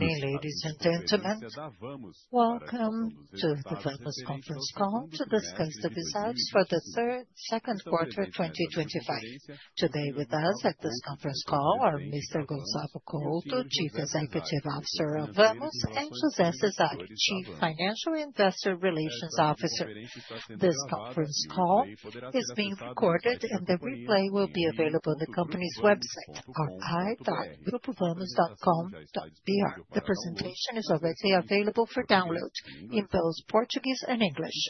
Ladies and gentlemen, welcome to the Vamos Conference Call to discuss the results for the second quarter 2025. Today with us at this conference call are Mr. Gustavo Couto, Chief Executive Officer of Vamos, and José Cezário, Chief Financial Investor Relations Officer. This conference call is being recorded and the replay will be available on the company's website or at grupovamos.com.br. The presentation is already available for download in both Portuguese and English.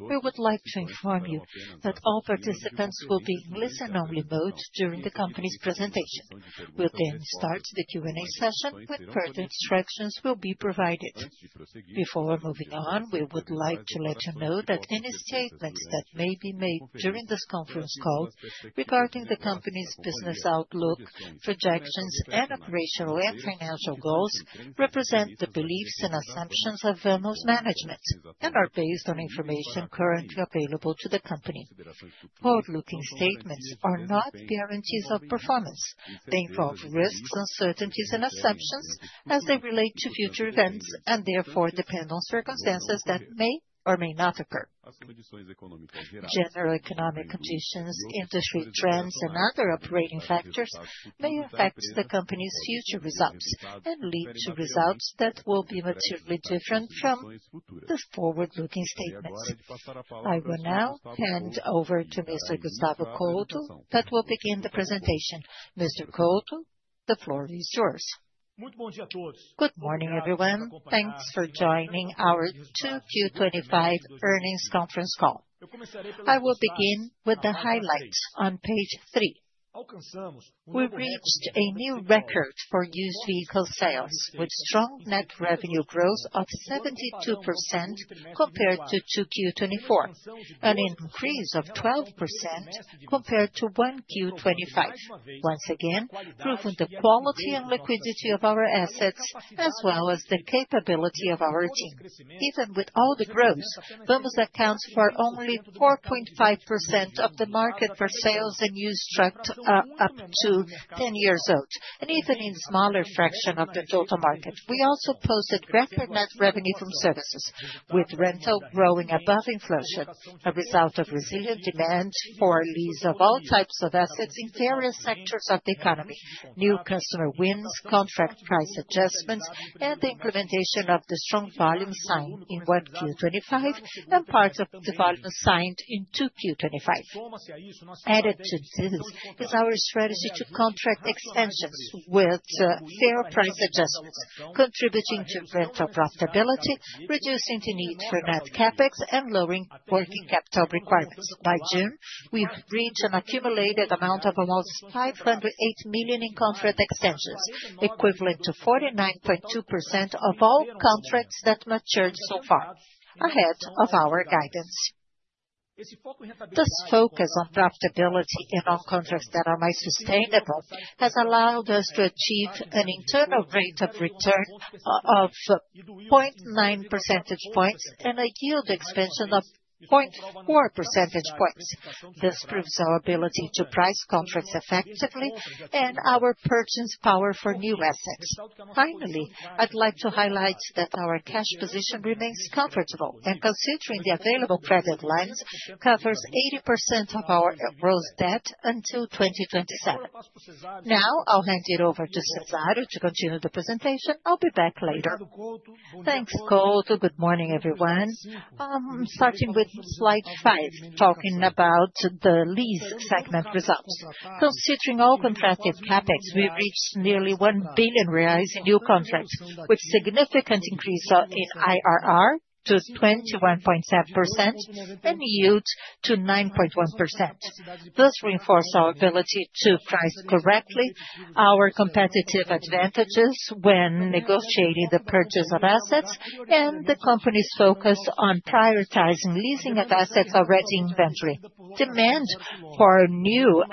We would like to inform you that all participants will be in listen-only mode during the company's presentation. We'll then start the Q&A session with further instructions that will be provided. Before moving on, we would like to let you know that any statements that may be made during this conference call regarding the company's business outlook, projections, and operational and financial goals represent the beliefs and assumptions of Vamos management and are based on information currently available to the company. Forward-looking statements are not guarantees of performance, they involve risks, uncertainties, and assumptions as they relate to future events and therefore depend on circumstances that may or may not occur. General economic conditions, industry trends, and other operating factors may affect the company's future results and lead to results that will be materially different from the forward-looking statements. I will now hand over to Mr. Gustavo Couto that will begin the presentation. Mr. Couto, the floor is yours. Good morning, everyone. Thanks for joining our 2Q 2025 Earnings Conference Call. I will begin with the highlights on page three. We reached a new record for used vehicle sales, with strong net revenue growth of 72% compared to 2Q 2024, an increase of 12% compared to 1Q 2025. Once again, proving the quality and liquidity of our assets, as well as the capability of our team. Even with all the growth, Vamos accounts for only 4.5% of the market for sales in used trucks up to 10 years old, and even in a smaller fraction of the total market. We also posted record net revenue from services, with rental growing above inflation, a result of resilient demand for lease of all types of assets in various sectors of the economy. New customer wins, contract price adjustments, and the implementation of the strong volume signed in 1Q 2025, and parts of the volume signed in 2Q 2025. Added to this is our strategy to contract extensions with fair price adjustments, contributing to rental profitability, reducing the need for net CapEx, and lowering working capital requirements. By June, we've reached an accumulated amount of almost 508 million in contract extensions, equivalent to 49.2% of all contracts that matured so far, ahead of our guidance. This focus on profitability in all contracts that are sustainable has allowed us to achieve an internal rate of return of 0.9 percentage points and a yield expansion of 0.4 percentage points. This proves our ability to price contracts effectively and our purchase power for new assets. Finally, I'd like to highlight that our cash position remains profitable, and considering the available credit lines, covers 80% of our gross debt until 2027. Now, I'll hand it over to Cezário to continue the presentation. I'll be back later. Thanks, Couto. Good morning, everyone. I'm starting with slide five, talking about the lease segment results. Considering all contracted CapEx, we reached nearly 1 billion reais in new contracts, with a significant increase in IRR to 21.7% and yield to 9.1%. This reinforces our ability to price correctly our competitive advantages when negotiating the purchase of assets and the company's focus on prioritizing leasing of assets already in inventory. Demand for new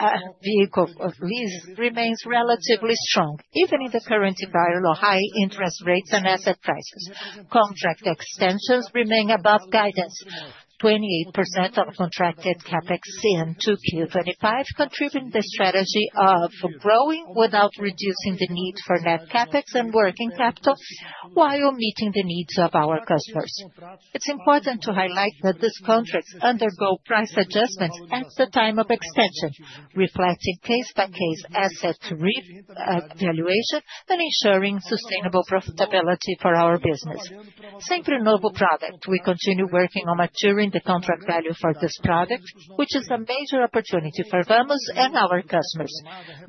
vehicle leases remains relatively strong, even in the current environment of high interest rates and asset prices. Contract extensions remain above guidance. 28% of contracted CapEx in 2Q 2025 contributes to the strategy of growing without reducing the need for net CapEx and working capital while meeting the needs of our customers. It's important to highlight that these contracts undergo price adjustments at the time of extension, reflecting case-by-case asset revaluation and ensuring sustainable profitability for our business. Since renewable products, we continue working on maturing the contract value for this product, which is a major opportunity for Vamos and our customers.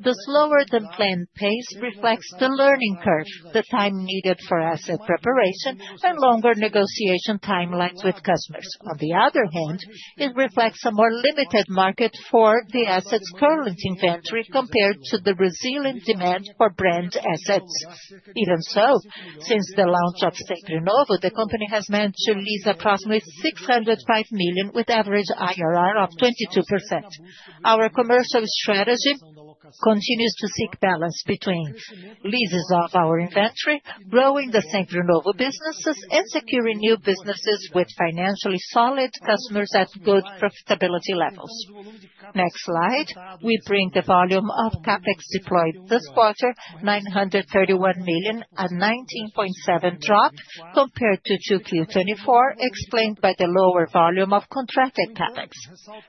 The slower than planned pace reflects the learning curve, the time needed for asset preparation, and longer negotiation timelines with customers. On the other hand, it reflects a more limited market for the assets currently in inventory compared to the resilient demand for brand assets. Even so, since the launch of Sempre Novo, the company has managed to lease approximately 605 million with an average IRR of 22%. Our commercial strategy continues to seek balance between leases of our inventory, growing the Sempre Novo businesses, and securing new businesses with financially solid customers at good profitability levels. Next slide, we bring the volume of CapEx deployed this quarter, 931 million, a 19.7% drop compared to 2Q 2024, explained by the lower volume of contracted CapEx.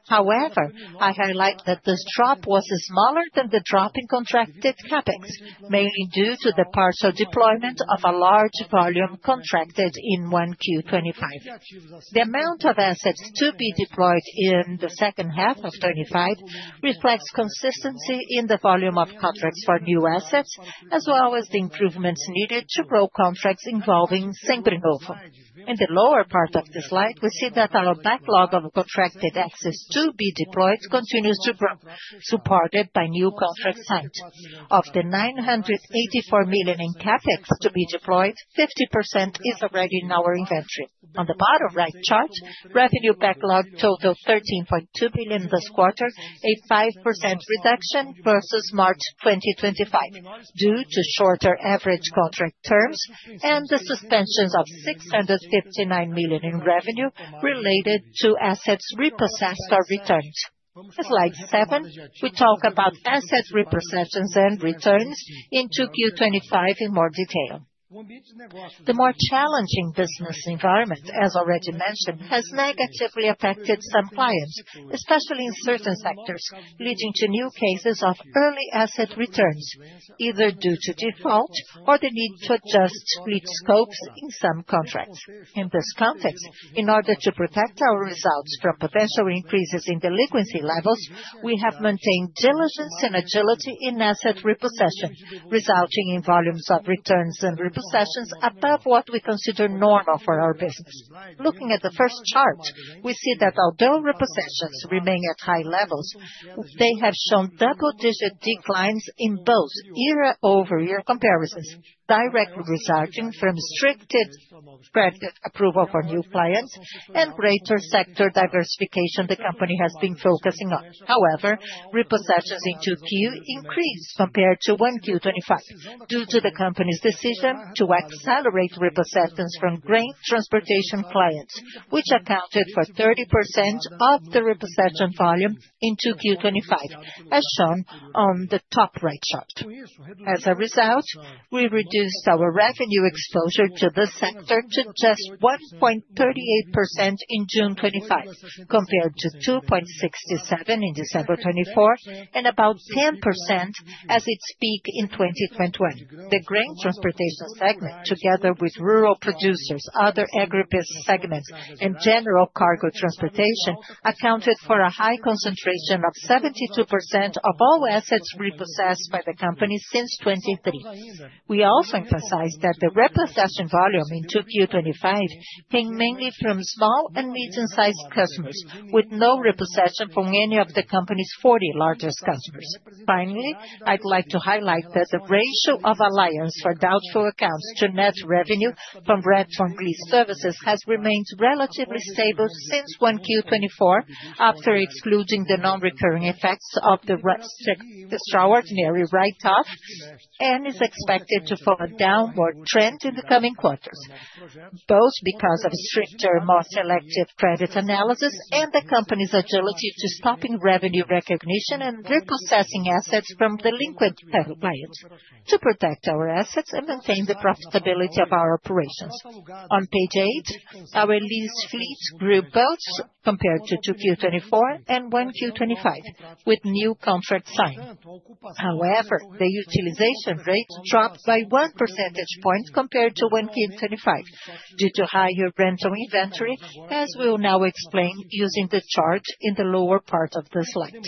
However, I highlight that this drop was smaller than the drop in contracted CapEx, mainly due to the partial deployment of a large volume contracted in 1Q 2025. The amount of assets to be deployed in the second half of 2025 reflects consistency in the volume of contracts for new assets, as well as the improvements needed to grow contracts involving Sempre Novo. In the lower part of the slide, we see that our backlog of contracted assets to be deployed continues to grow, supported by new contracts signed. Of the 984 million in CapEx to be deployed, 50% is already in our inventory. On the bottom right chart, revenue backlog totals 13.2 million this quarter, a 5% reduction versus March 2025, due to shorter average contract terms and the suspensions of 659 million in revenue related to assets repossessed or returned. In slide seven, we talk about assets repossessions and returns in 2Q 2025 in more detail. The more challenging business environment, as already mentioned, has negatively affected some clients, especially in certain sectors, leading to new cases of early asset returns, either due to default or the need to adjust lease scopes in some contracts. In this context, in order to protect our results from potential increases in delinquency levels, we have maintained diligence and agility in asset repossession, resulting in volumes of returns and repossessions above what we consider normal for our business. Looking at the first chart, we see that although repossessions remain at high levels, they have shown double-digit declines in both year-over-year comparisons, directly resulting from restricted credit approval for new clients and greater sector diversification the company has been focusing on. However, repossessions in 2Q increased compared to 1Q 2025 due to the company's decision to accelerate repossessions from grain transportation clients, which accounted for 30% of the repossession volume in 2Q 2025, as shown on the top right chart. As a result, we reduced our revenue exposure to this sector to just 1.38% in June 2025, compared to 2.67% in December 2024 and about 10% at its peak in 2021. The grain transportation segment, together with rural producers, other agribusiness segments, and general cargo transportation, accounted for a high concentration of 72% of all assets repossessed by the company since 2023. We also emphasize that the repossession volume in 2Q 2025 came mainly from small and medium-sized customers, with no repossession from any of the company's 40 largest customers. Finally, I'd like to highlight that the ratio of allowance for doubtful accounts to net revenue from grant-from-lease services has remained relatively stable since 1Q 2024, after excluding the non-recurring effects of the extraordinary write-off and is expected to follow a downward trend in the coming quarters, both because of a stricter, more selective credit analysis and the company's agility to stopping revenue recognition and repossessing assets from delinquent clients to protect our assets and maintain the profitability of our operations. On page eight, our lease fees grew both compared to 2Q 2024 and 1Q 2025, with new contracts signed. However, the utilization rate dropped by one percentage point compared to 1Q 2025 due to higher rental inventory, as we will now explain using the chart in the lower part of the slide.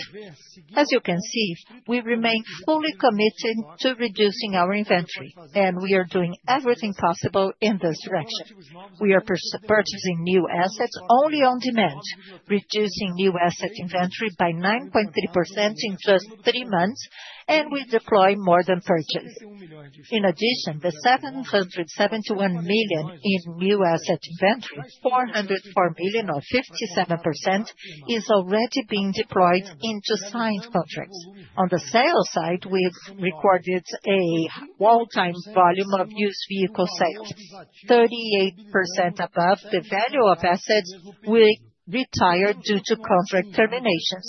As you can see, we remain fully committed to reducing our inventory, and we are doing everything possible in this direction. We are purchasing new assets only on demand, reducing new asset inventory by 9.3% in just three months, and we deploy more than purchased. In addition, the 771 million in new asset inventory, 404 million, or 57%, is already being deployed into signed contracts. On the sales side, we've recorded an all-time volume of used vehicle sales, 38% above the value of assets retired due to contract terminations,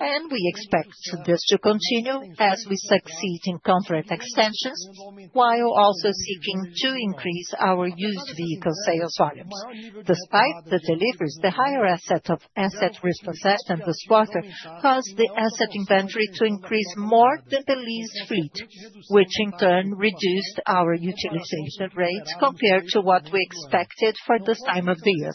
and we expect this to continue as we succeed in contract extensions while also seeking to increase our used vehicle sales volumes. Despite the deliveries, the higher rate of asset repossession this quarter caused the asset inventory to increase more than the lease fee, which in turn reduced our utilization rate compared to what we expected for this time of the year.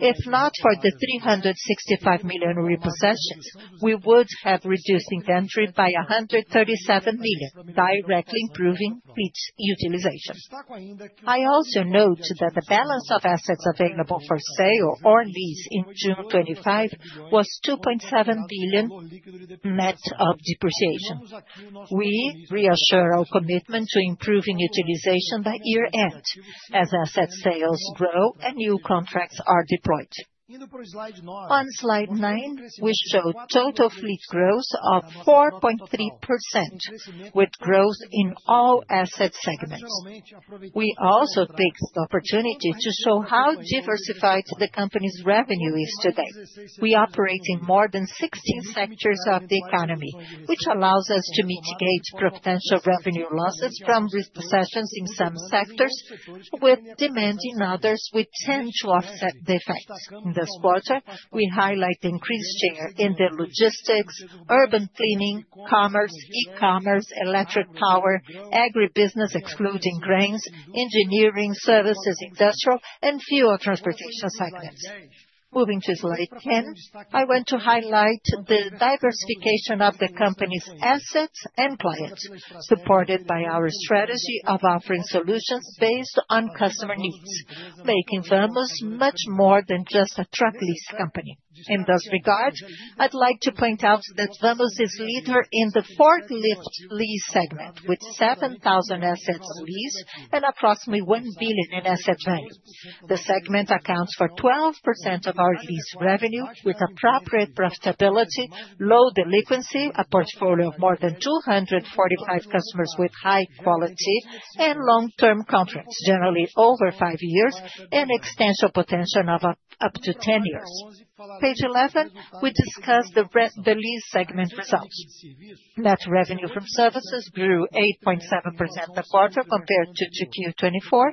If not for the 365 million repossessions, we would have reduced inventory by 137 million, directly improving its utilization. I also note that the balance of assets available for sale or lease in June 2025 was 2.7 billion net of depreciation. We reassure our commitment to improving utilization by year-end as asset sales grow and new contracts are deployed. On slide nine, we show total fleet growth of 4.3%, with growth in all asset segments. We also take this opportunity to show how diversified the company's revenue is today. We operate in more than 16 sectors of the economy, which allows us to mitigate potential revenue losses from repossessions in some sectors, with demand in others which tend to offset the effect. In this quarter, we highlight increased share in the logistics, urban cleaning, commerce, e-commerce, electric power, agri-business excluding grains, engineering, services, industrial, and fuel transportation segments. Moving to slide ten, I want to highlight the diversification of the company's assets and clients, supported by our strategy of offering solutions based on customer needs, making Vamos much more than just a truck lease company. In this regard, I'd like to point out that Vamos is a leader in the forklift lease segment, with 7,000 assets leased and approximately 1 billion in asset value. The segment accounts for 12% of our lease revenue, with appropriate profitability, low delinquency, a portfolio of more than 245 customers with high quality, and long-term contracts, generally over five years, and extension potential of up to ten years. On page 11, we discuss the lease segment results. Net revenue from services grew 8.7% in the quarter compared to 2Q 2024,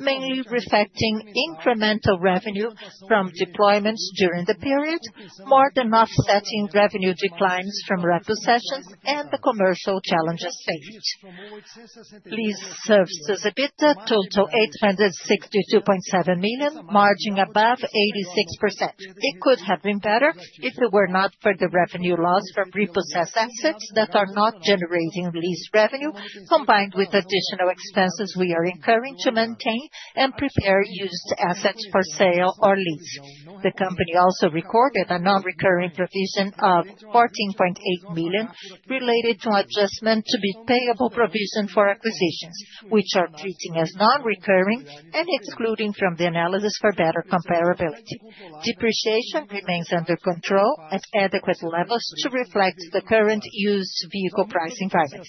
mainly reflecting incremental revenue from deployments during the period, more than offsetting revenue declines from repossessions and the commercial challenges faced. Lease services EBITDA totaled 862.7 million, margin above 86%. It could have been better if it were not for the revenue loss from repossessed assets that are not generating lease revenue, combined with additional expenses we are incurring to maintain and prepare used assets for sale or lease. The company also recorded a non-recurring provision of 14.8 million related to adjustment to be payable provision for acquisitions, which are treated as non-recurring and excluded from the analysis for better comparability. Depreciation remains under control at adequate levels to reflect the current used vehicle price environment.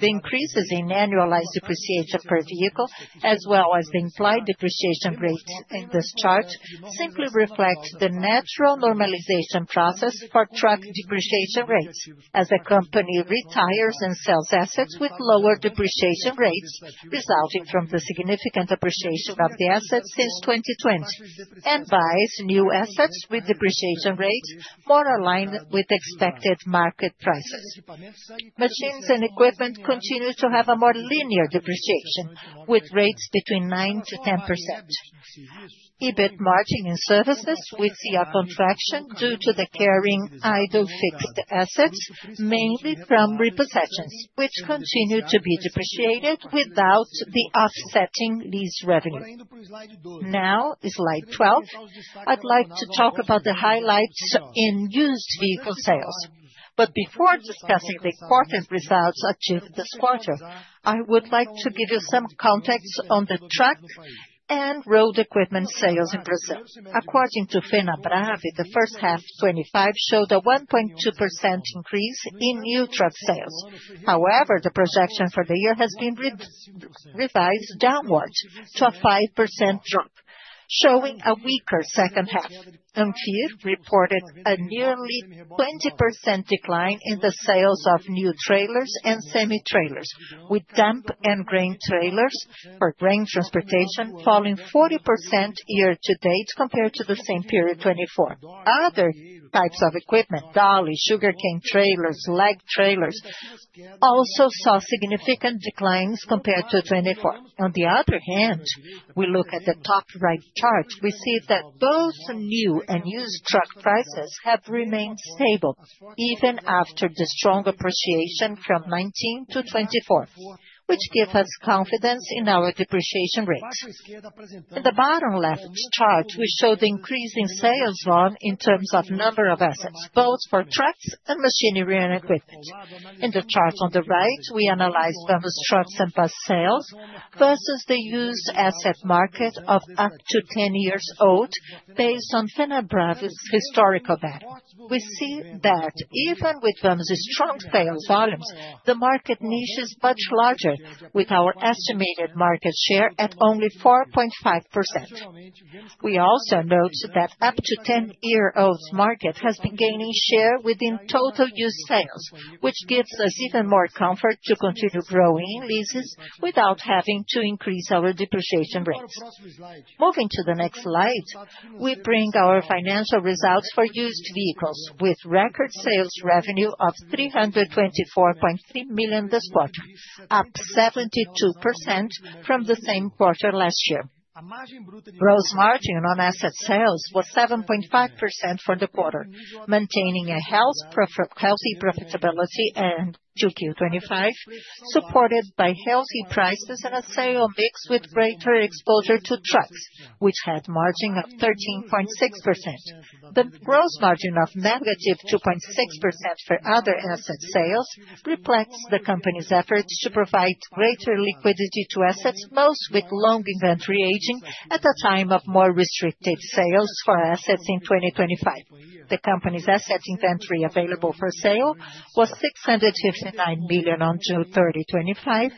The increases in annualized depreciation per vehicle, as well as the implied depreciation rates in this chart, simply reflect the natural normalization process for truck depreciation rates. As the company retires and sells assets with lower depreciation rates, resulting from the significant appreciation of the assets since 2020, it buys new assets with depreciation rates more aligned with expected market prices. Machines and equipment continue to have a more linear depreciation, with rates between 9%-10%. EBIT margin in services we see a contraction due to the carrying idle fixed assets, mainly from repossessions, which continue to be depreciated without the offsetting lease revenue. Now, in slide 12, I'd like to talk about the highlights in used vehicle sales. Before discussing the quarterly results achieved this quarter, I would like to give you some context on the truck and road equipment sales in Brazil. According to Fenabrave, the first half of 2025 showed a 1.2% increase in new truck sales. However, the projection for the year has been revised downwards to a 5% drop, showing a weaker second half. ANFIR reported a nearly 20% decline in the sales of new trailers and semi-trailers, with dump and grain trailers for grain transportation falling 40% year-to-date compared to the same period of 2024. Other types of equipment, dolly, sugarcane trailers, and leg trailers also saw significant declines compared to 2024. On the other hand, we look at the top right chart. We see that both new and used truck prices have remained stable even after the strong appreciation from 2019 to 2024, which gives us confidence in our depreciation rate. On the bottom left chart, we show the increase in sales volume in terms of the number of assets, both for trucks and machinery and equipment. In the chart on the right, we analyze Vamos trucks and bus sales versus the used asset market of up to 10 years old based on Fenabrave's historical data. We see that even with Vamos' strong sales volumes, the market niche is much larger, with our estimated market share at only 4.5%. We also note that the up to 10 years old market has been gaining share within total used sales, which gives us even more comfort to continue growing leases without having to increase our depreciation rates. Moving to the next slide, we bring our financial results for used vehicles with record sales revenue of 324.3 million this quarter, up 72% from the same quarter last year. Gross margin on asset sales was 7.5% for the quarter, maintaining a healthy profitability end to 2Q 2025, supported by healthy prices and a sale mix with greater exposure to trucks, which had a margin of 13.6%. The gross margin of -2.6% for other asset sales reflects the company's efforts to provide greater liquidity to assets, most with long inventory aging at a time of more restricted sales for assets in 2025. The company's asset inventory available for sale was 659 million in [June 30] 2025.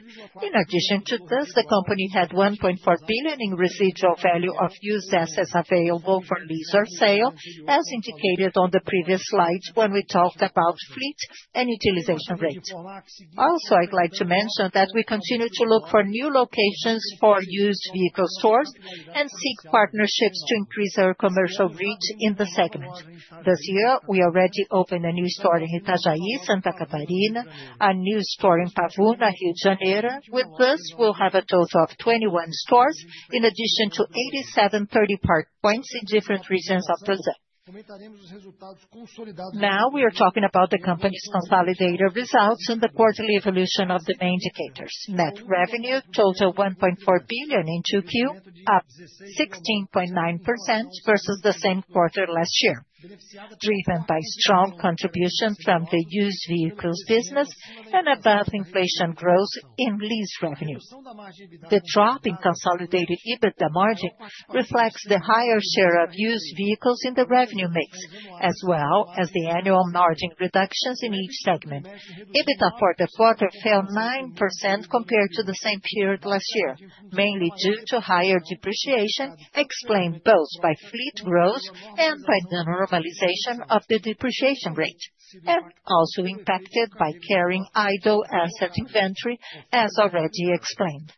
In addition to this, the company had 1.4 billion in residual value of used assets available for lease or sale, as indicated on the previous slide when we talked about fleet and utilization rates. Also, I'd like to mention that we continue to look for new locations for used vehicle stores and seek partnerships to increase our commercial reach in the segment. This year, we already opened a new store in Itajaí, Santa Catarina, and a new store in Pavuna, Rio de Janeiro. With this, we'll have a total of 21 stores in addition to 87 30-part points in different regions of Brazil. Now, we are talking about the company's consolidated results and the quarterly evolution of the main indicators: net revenue totaled 1.4 billion in 2Q, up 16.9% versus the same quarter last year, driven by strong contributions from the used vehicles business and above-inflation growth in lease revenue. The drop in consolidated EBITDA margin reflects the higher share of used vehicles in the revenue mix, as well as the annual margin reductions in each segment. EBITDA for the quarter fell 9% compared to the same period last year, mainly due to higher depreciation, explained both by fleet growth and by the normalization of the depreciation rate, also impacted by carrying idle asset inventory, as already explained.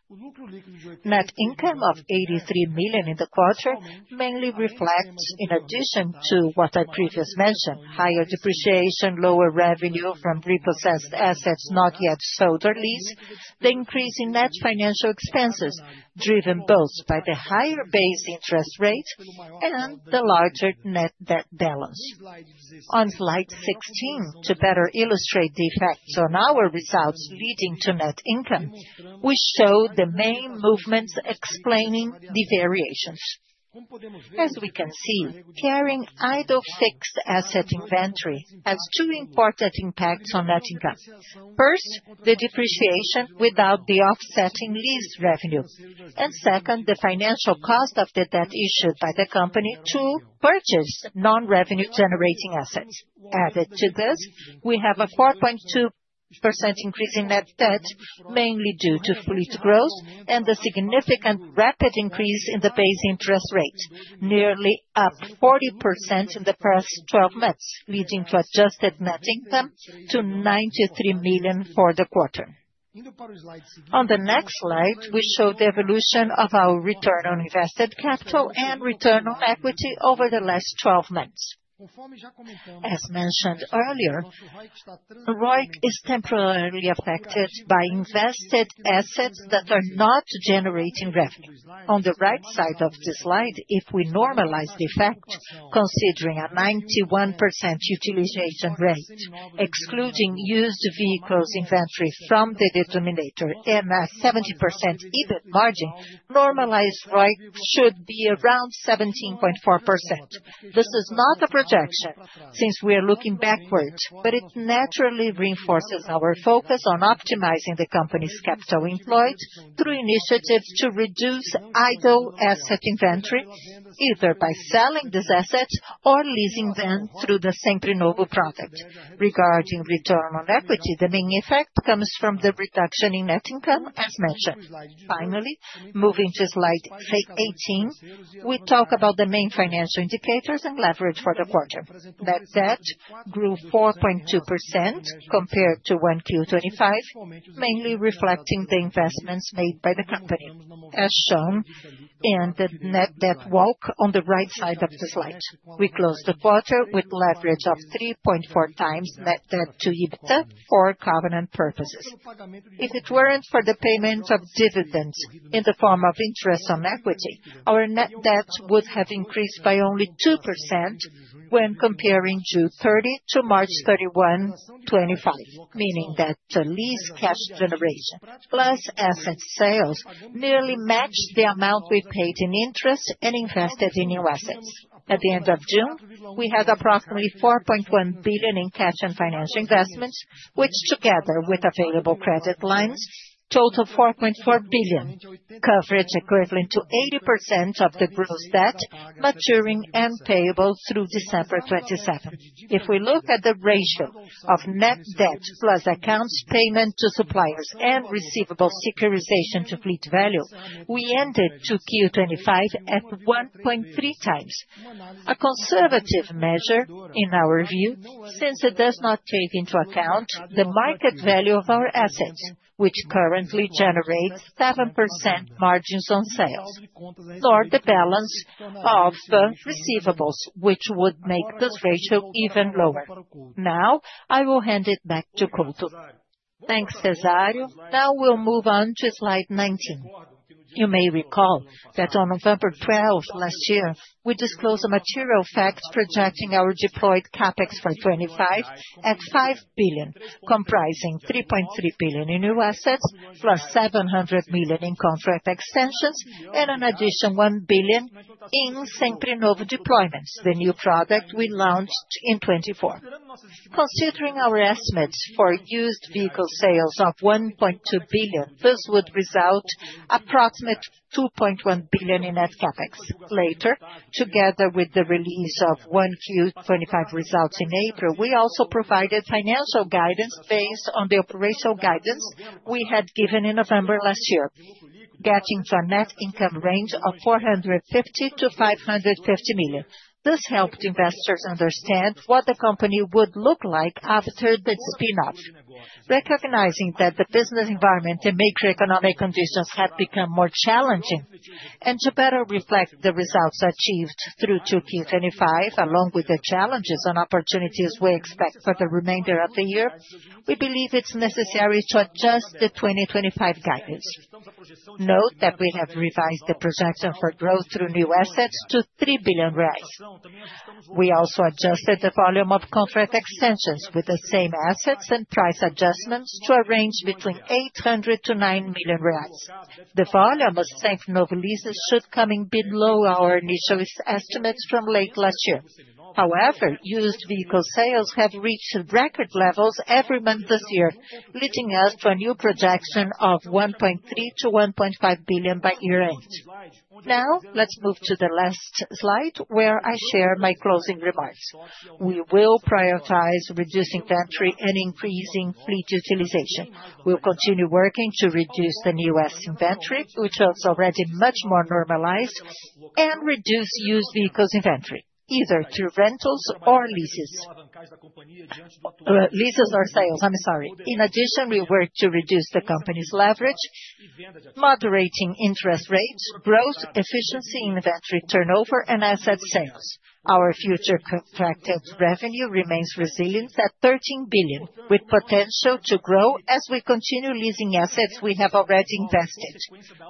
Net income of 83 million in the quarter mainly reflects, in addition to what I previously mentioned: higher depreciation, lower revenue from repossessed assets not yet sold or leased, the increase in net financial expenses, driven both by the higher base interest rate and the larger net debt balance. On slide 16, to better illustrate the effects on our results leading to net income, we show the main movements explaining the variations. As we can see, carrying idle fixed asset inventory has two important impacts on net income: first, the depreciation without the offsetting lease revenues, and second, the financial cost of the debt issued by the company to purchase non-revenue generating assets. Added to this, we have a 4.2% increase in net debt, mainly due to fleet growth and the significant rapid increase in the base interest rate, nearly up 40% in the past 12 months, leading to adjusted net income to 93 million for the quarter. On the next slide, we show the evolution of our return on invested capital and return on equity over the last 12 months. As mentioned earlier, the rate is temporarily affected by invested assets that are not generating revenue. On the right side of the slide, if we normalize the effect, considering a 91% utilization rate excluding used vehicles inventory from the denominator, and a 70% EBITDA margin, normalized rate should be around 17.4%. This is not a projection since we are looking backward, but it naturally reinforces our focus on optimizing the company's capital employed through initiatives to reduce idle asset inventory, either by selling these assets or leasing them through the Sempre Novo product. Regarding return on equity, the main effect comes from the reduction in net income, as mentioned. Finally, moving to slide 18, we talk about the main financial indicators and leverage for the quarter. Net debt grew 4.2% compared to 1Q 2025, mainly reflecting the investments made by the company, as shown in the net debt walk on the right side of the slide. We close the quarter with a leverage of 3.4x net debt to EBITDA for covenant purposes. If it weren't for the payment of dividends in the form of interest on equity, our net debt would have increased by only 2% when comparing June 30 to March 31, 2025, meaning that the lease cash generation plus asset sales nearly matched the amount we paid in interest and invested in new assets. At the end of June, we had approximately 4.1 billion in cash and financial investments, which together with available credit lines, totaled 4.4 billion, coverage equivalent to 80% of the gross debt maturing and payable through December 2027. If we look at the ratio of net debt plus accounts payable to suppliers and receivable securitization to fleet value, we ended 2Q 2025 at 1.3x, a conservative measure in our view since it does not take into account the market value of our assets, which currently generate 7% margins on sales, nor the balance of the receivables, which would make this ratio even lower. Now, I will hand it back to Couto. Thanks, Cezário. Now, we'll move on to slide 19. You may recall that on November 12 last year, we disclosed the material facts projecting our deployed CapEx for 2025 at 5 billion, comprising 3.3 billion in new assets plus 700 million in contract extensions and an additional 1 billion in Sempre Novo deployments, the new product we launched in 2024. Considering our estimates for used vehicle sales of 1.2 billion, this would result in approximately 2.1 billion in net CapEx. Later, together with the release of 1Q 2025 results in April, we also provided financial guidance based on the operational guidance we had given in November last year, getting to a net income range of 450 million-550 million. This helped investors understand what the company would look like after the spin-off. Recognizing that the business environment and macroeconomic conditions have become more challenging, and to better reflect the results achieved through 2Q 2025, along with the challenges and opportunities we expect for the remainder of the year, we believe it's necessary to adjust the 2025 guidance. Note that we have revised the projection for growth through new assets to 3 billion reais. We also adjusted the volume of contract extensions with the same assets and price adjustments to a range between 800 million-900 million reais. The volume of Sempre Novo leases should come in below our initial estimates from late last year. However, used vehicle sales have reached record levels every month this year, leading us to a new projection of 1.3 billion-1.5 billion by year-end. Now, let's move to the last slide where I share my closing remarks. We will prioritize reducing inventory and increasing fleet utilization. We'll continue working to reduce the new asset inventory, which was already much more normalized, and reduce used vehicles inventory, either through rentals or leases. Leases or sales, I'm sorry. In addition, we work to reduce the company's leverage, moderating interest rates, growth, efficiency in inventory turnover, and asset sales. Our future contracted revenue remains resilient at 13 billion, with potential to grow as we continue leasing assets we have already invested.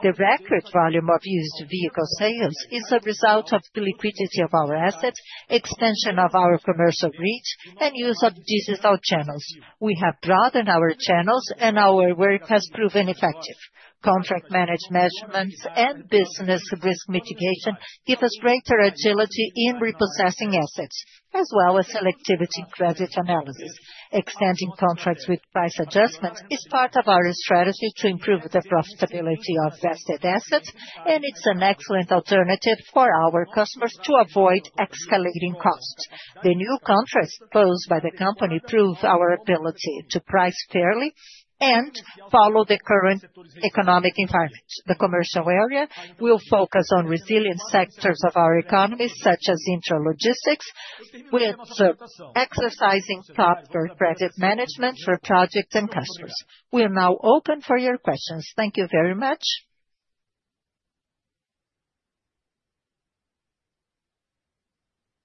The record volume of used vehicle sales is a result of the liquidity of our assets, extension of our commercial reach, and use of digital channels. We have broadened our channels, and our work has proven effective. Contract management and business risk mitigation give us greater agility in repossessing assets, as well as selectivity in credit analysis. Extending contracts with price adjustments is part of our strategy to improve the profitability of vested assets, and it's an excellent alternative for our customers to avoid escalating costs. The new contracts proposed by the company prove our ability to price fairly and follow the current economic environment. The commercial area will focus on resilient sectors of our economy, such as the internal logistics, with exercising proper credit management for projects and customers. We are now open for your questions. Thank you very much.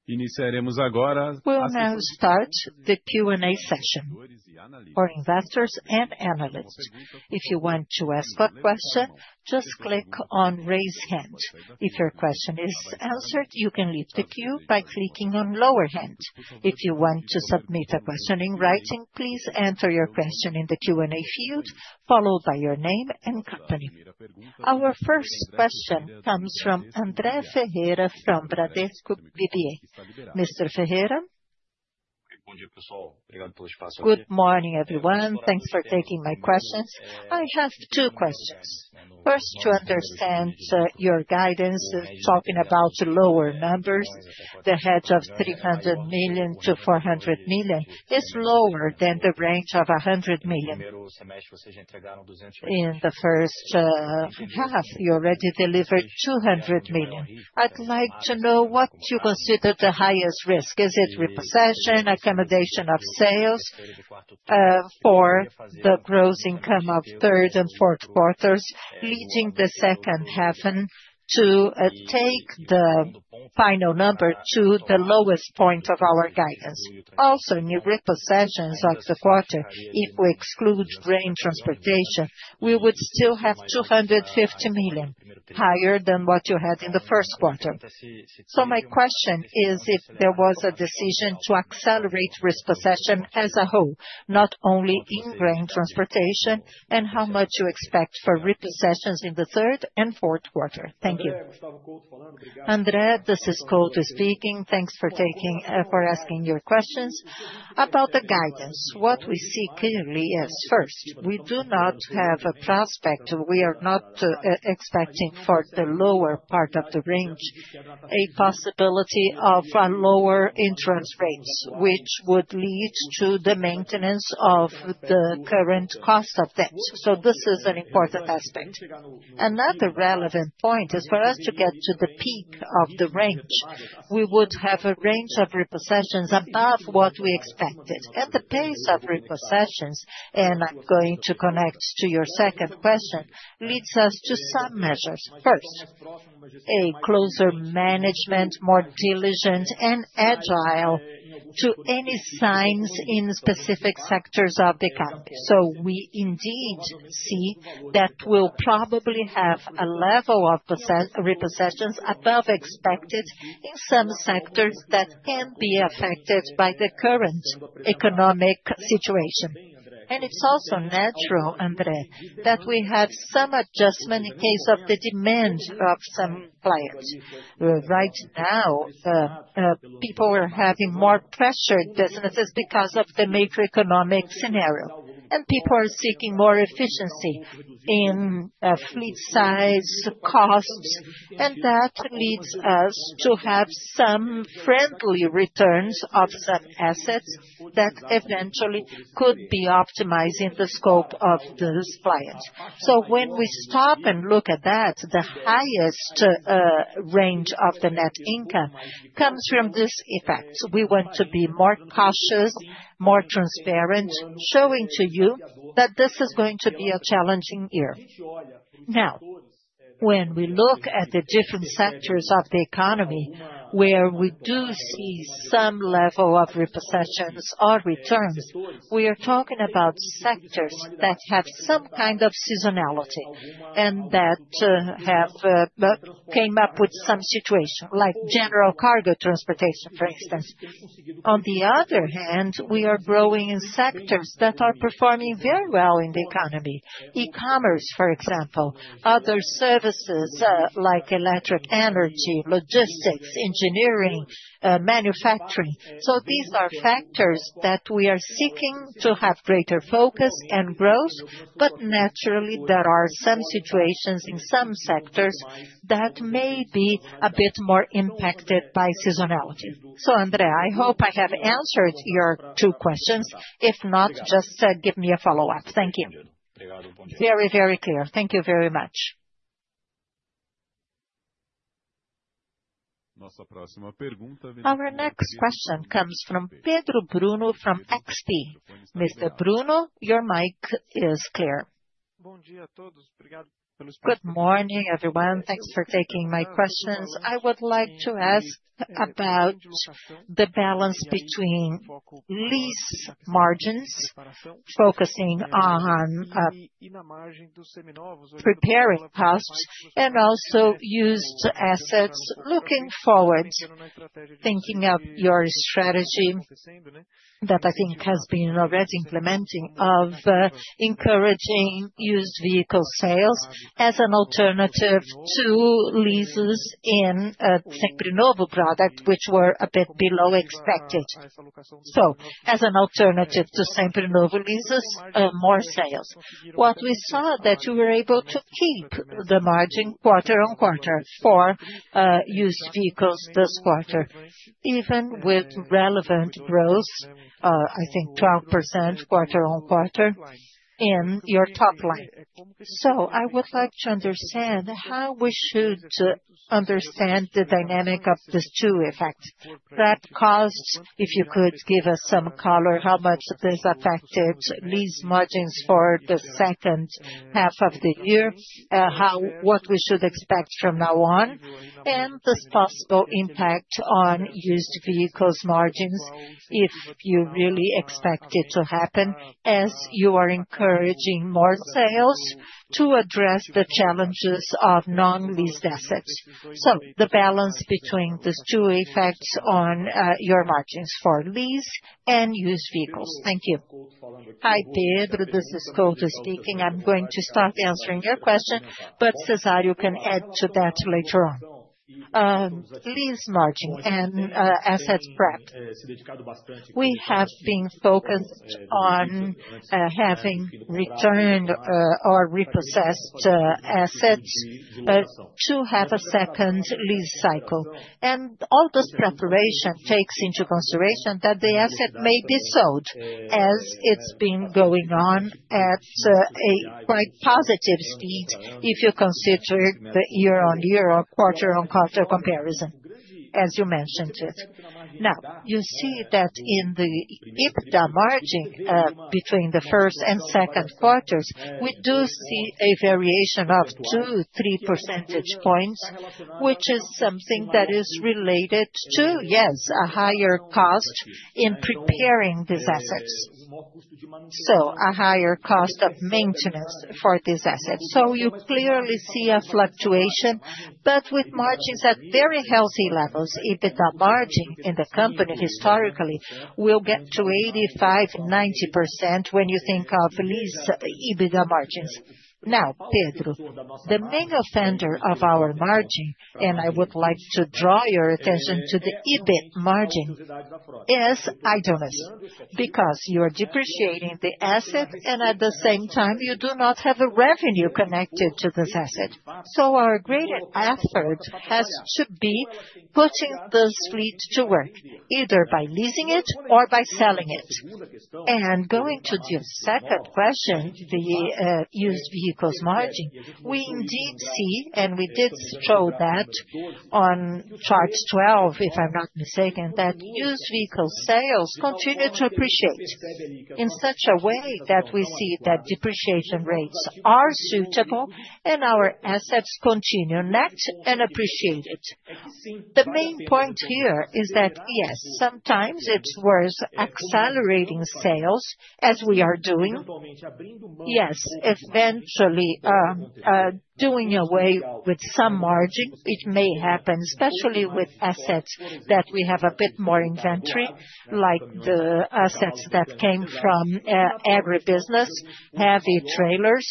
We'll now start the Q&A session for investors and analysts. If you want to ask a question, just click on raise hand. If your question is answered, you can leave the queue by clicking on lower hand. If you want to submit a question in writing, please enter your question in the Q&A field, followed by your name and company. Our first question comes from André Ferreira from Bradesco BBA. Mr. Ferreira? Good morning, everyone. Thanks for taking my questions. I have two questions. First, to understand your guidance, talking about lower numbers, the hedge of 300 million-400 million is lower than the range of 100 million. In the first half, you already delivered 200 million. I'd like to know what you consider the highest risk. Is it repossession, accommodation of sales for the gross income of third and fourth quarters, leading the second half to take the final number to the lowest point of our guidance? Also, new repossessions of the quarter, if we exclude grain transportation, we would still have 250 million higher than what you had in the first quarter. My question is if there was a decision to accelerate risk possession as a whole, not only in grain transportation, and how much you expect for repossessions in the third and fourth quarter? Thank you. André, this is Couto speaking. Thanks for asking your questions. About the guidance, what we see clearly is, first, we do not have a prospect. We are not expecting for the lower part of the range, a possibility of a lower interest rate, which would lead to the maintenance of the current cost of debt. This is an important aspect. Another relevant point is for us to get to the peak of the range. We would have a range of repossessions above what we expected. The pace of repossessions, and I'm going to connect to your second question, leads us to some measures. First, a closer management, more diligent, and agile to any signs in specific sectors of the company. We indeed see that we'll probably have a level of repossessions above expected in some sectors that can be affected by the current economic situation. It's also natural, André, that we have some adjustment in case of the demand of some players. Right now, people are having more pressured businesses because of the macroeconomic scenario, and people are seeking more efficiency in fleet size costs. That leads us to have some friendly returns of some assets that eventually could be optimized in the scope of those clients. When we stop and look at that, the highest range of the net income comes from this effect. We want to be more cautious, more transparent, showing to you that this is going to be a challenging year. Now, when we look at the different sectors of the economy where we do see some level of repossessions or returns, we are talking about sectors that have some kind of seasonality and that have come up with some situation, like general cargo transportation, for instance. On the other hand, we are growing in sectors that are performing very well in the economy: e-commerce, for example, other services like electric energy, logistics, engineering, manufacturing. These are factors that we are seeking to have greater focus and growth, but naturally, there are some situations in some sectors that may be a bit more impacted by seasonality. André, I hope I have answered your two questions. If not, just give me a follow-up. Thank you. Very, very clear. Thank you very much. Our next question comes from Pedro Bruno from XP. Mr. Bruno, your mic is clear. Good morning, everyone. Thanks for taking my questions. I would like to ask about the balance between lease margins, focusing on preparing costs, and also used assets looking forward. Thinking of your strategy that I think has been already implementing of encouraging used vehicle sales as an alternative to leases in the Sempre Novo product, which were a bit below expected. As an alternative to Sempre Novo leases, more sales. What we saw is that you were able to keep the margin quarter on quarter for used vehicles this quarter, even with relevant growth, I think 12% quarter on quarter in your top line. I would like to understand how we should understand the dynamic of these two effects. That cost, if you could give us some color, how much this affected lease margins for the second half of the year, what we should expect from now on, and this possible impact on used vehicles margins if you really expect it to happen as you are encouraging more sales to address the challenges of non-leased assets. The balance between these two effects on your margins for lease and used vehicles. Thank you. Hi, Pedro. This is Couto speaking. I'm going to start answering your question, but Cezário can add to that later on. Lease margins and assets prepped. We have been focused on having returned or repossessed assets to have a second lease cycle. All this preparation takes into consideration that the asset may be sold, as it's been going on at a quite positive speed if you consider the year-on-year or quarter-on-quarter comparison, as you mentioned it. Now, you see that in the EBITDA margin between the first and second quarters, we do see a variation of 2, 3 percentage points, which is something that is related to, yes, a higher cost in preparing these assets. A higher cost of maintenance for these assets. You clearly see a fluctuation, but with margins at very healthy levels. EBITDA margin in the company historically will get to 85%, 90% when you think of lease EBITDA margins. Now, Pedro, the main offender of our margin, and I would like to draw your attention to the EBIT margin, is idleness because you are depreciating the asset, and at the same time, you do not have a revenue connected to this asset. Our greater effort has to be putting this fleet to work, either by leasing it or by selling it. Going to the second question, the used vehicles margin, we indeed see, and we did show that on chart 12, if I'm not mistaken, that used vehicle sales continue to appreciate in such a way that we see that depreciation rates are suitable and our assets continue net and appreciated. The main point here is that, yes, sometimes it's worth accelerating sales, as we are doing. Yes, eventually doing away with some margin. It may happen, especially with assets that we have a bit more inventory, like the assets that came from agribusiness, heavy trailers.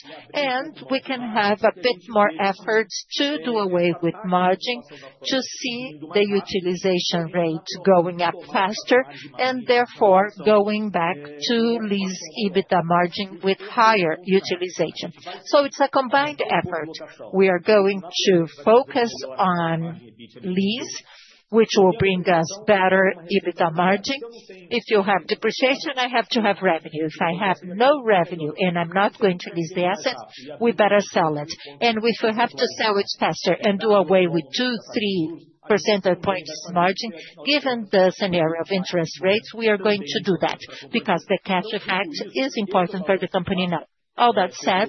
We can have a bit more effort to do away with margin to see the utilization rate going up faster and therefore going back to lease EBITDA margin with higher utilization. It is a combined effort. We are going to focus on lease, which will bring us better EBITDA margin. If you have depreciation, I have to have revenue. If I have no revenue and I'm not going to lease the asset, we better sell it. If we have to sell it faster and do away with 2%, 3% points margin, given the scenario of interest rates, we are going to do that because the cash effect is important for the company now. All that said,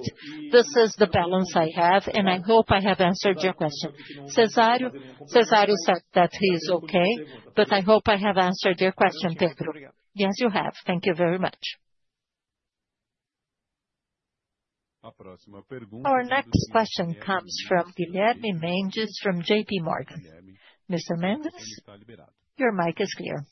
this is the balance I have, and I hope I have answered your question. Cezário said that he's okay, but I hope I have answered your question, Pedro. Yes, you have. Thank you very much. Our next question comes from Guilherme Mendes from JPMorgan. Mr. Mendes, your mic is clear.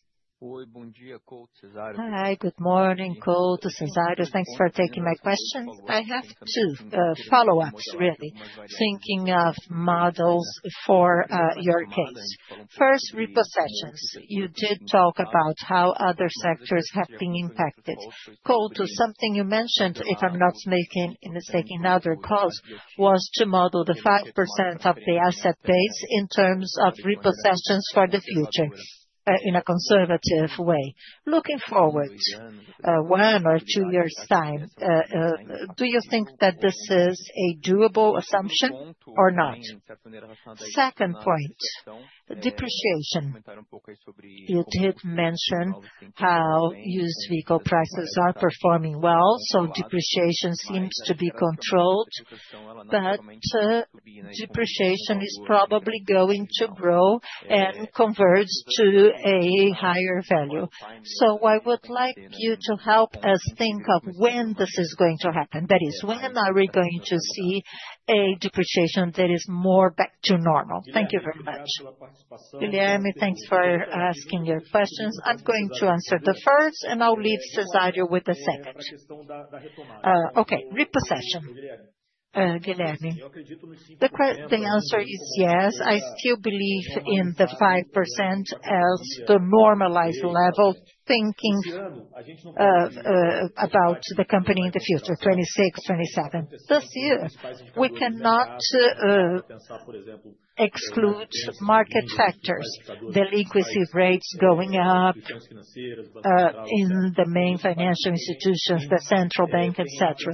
Hi, good morning, Couto, Cezário. Thanks for taking my question. I have two follow-ups, really, thinking of models for your case. First, repossessions. You did talk about how other sectors have been impacted. Couto, something you mentioned, if I'm not mistaken in other calls, was to model the 5% of the asset base in terms of repossessions for the future in a conservative way. Looking forward, one or two years' time, do you think that this is a doable assumption or not? Second point, depreciation. You did mention how used vehicle prices are performing well, so depreciation seems to be controlled. Depreciation is probably going to grow and converge to a higher value. I would like you to help us think of when this is going to happen. That is, when are we going to see a depreciation that is more back to normal? Thank you very much. Guilherme, thanks for asking your questions. I'm going to answer the first, and I'll leave Cezário with the second. Okay. Repossession. Guilherme, the answer is yes. I still believe in the 5% as the normalized level thinking about the company in the future, 2026, 2027. This year, we cannot exclude market factors, the liquidity rates going up in the main financial institutions, the central bank, et cetera.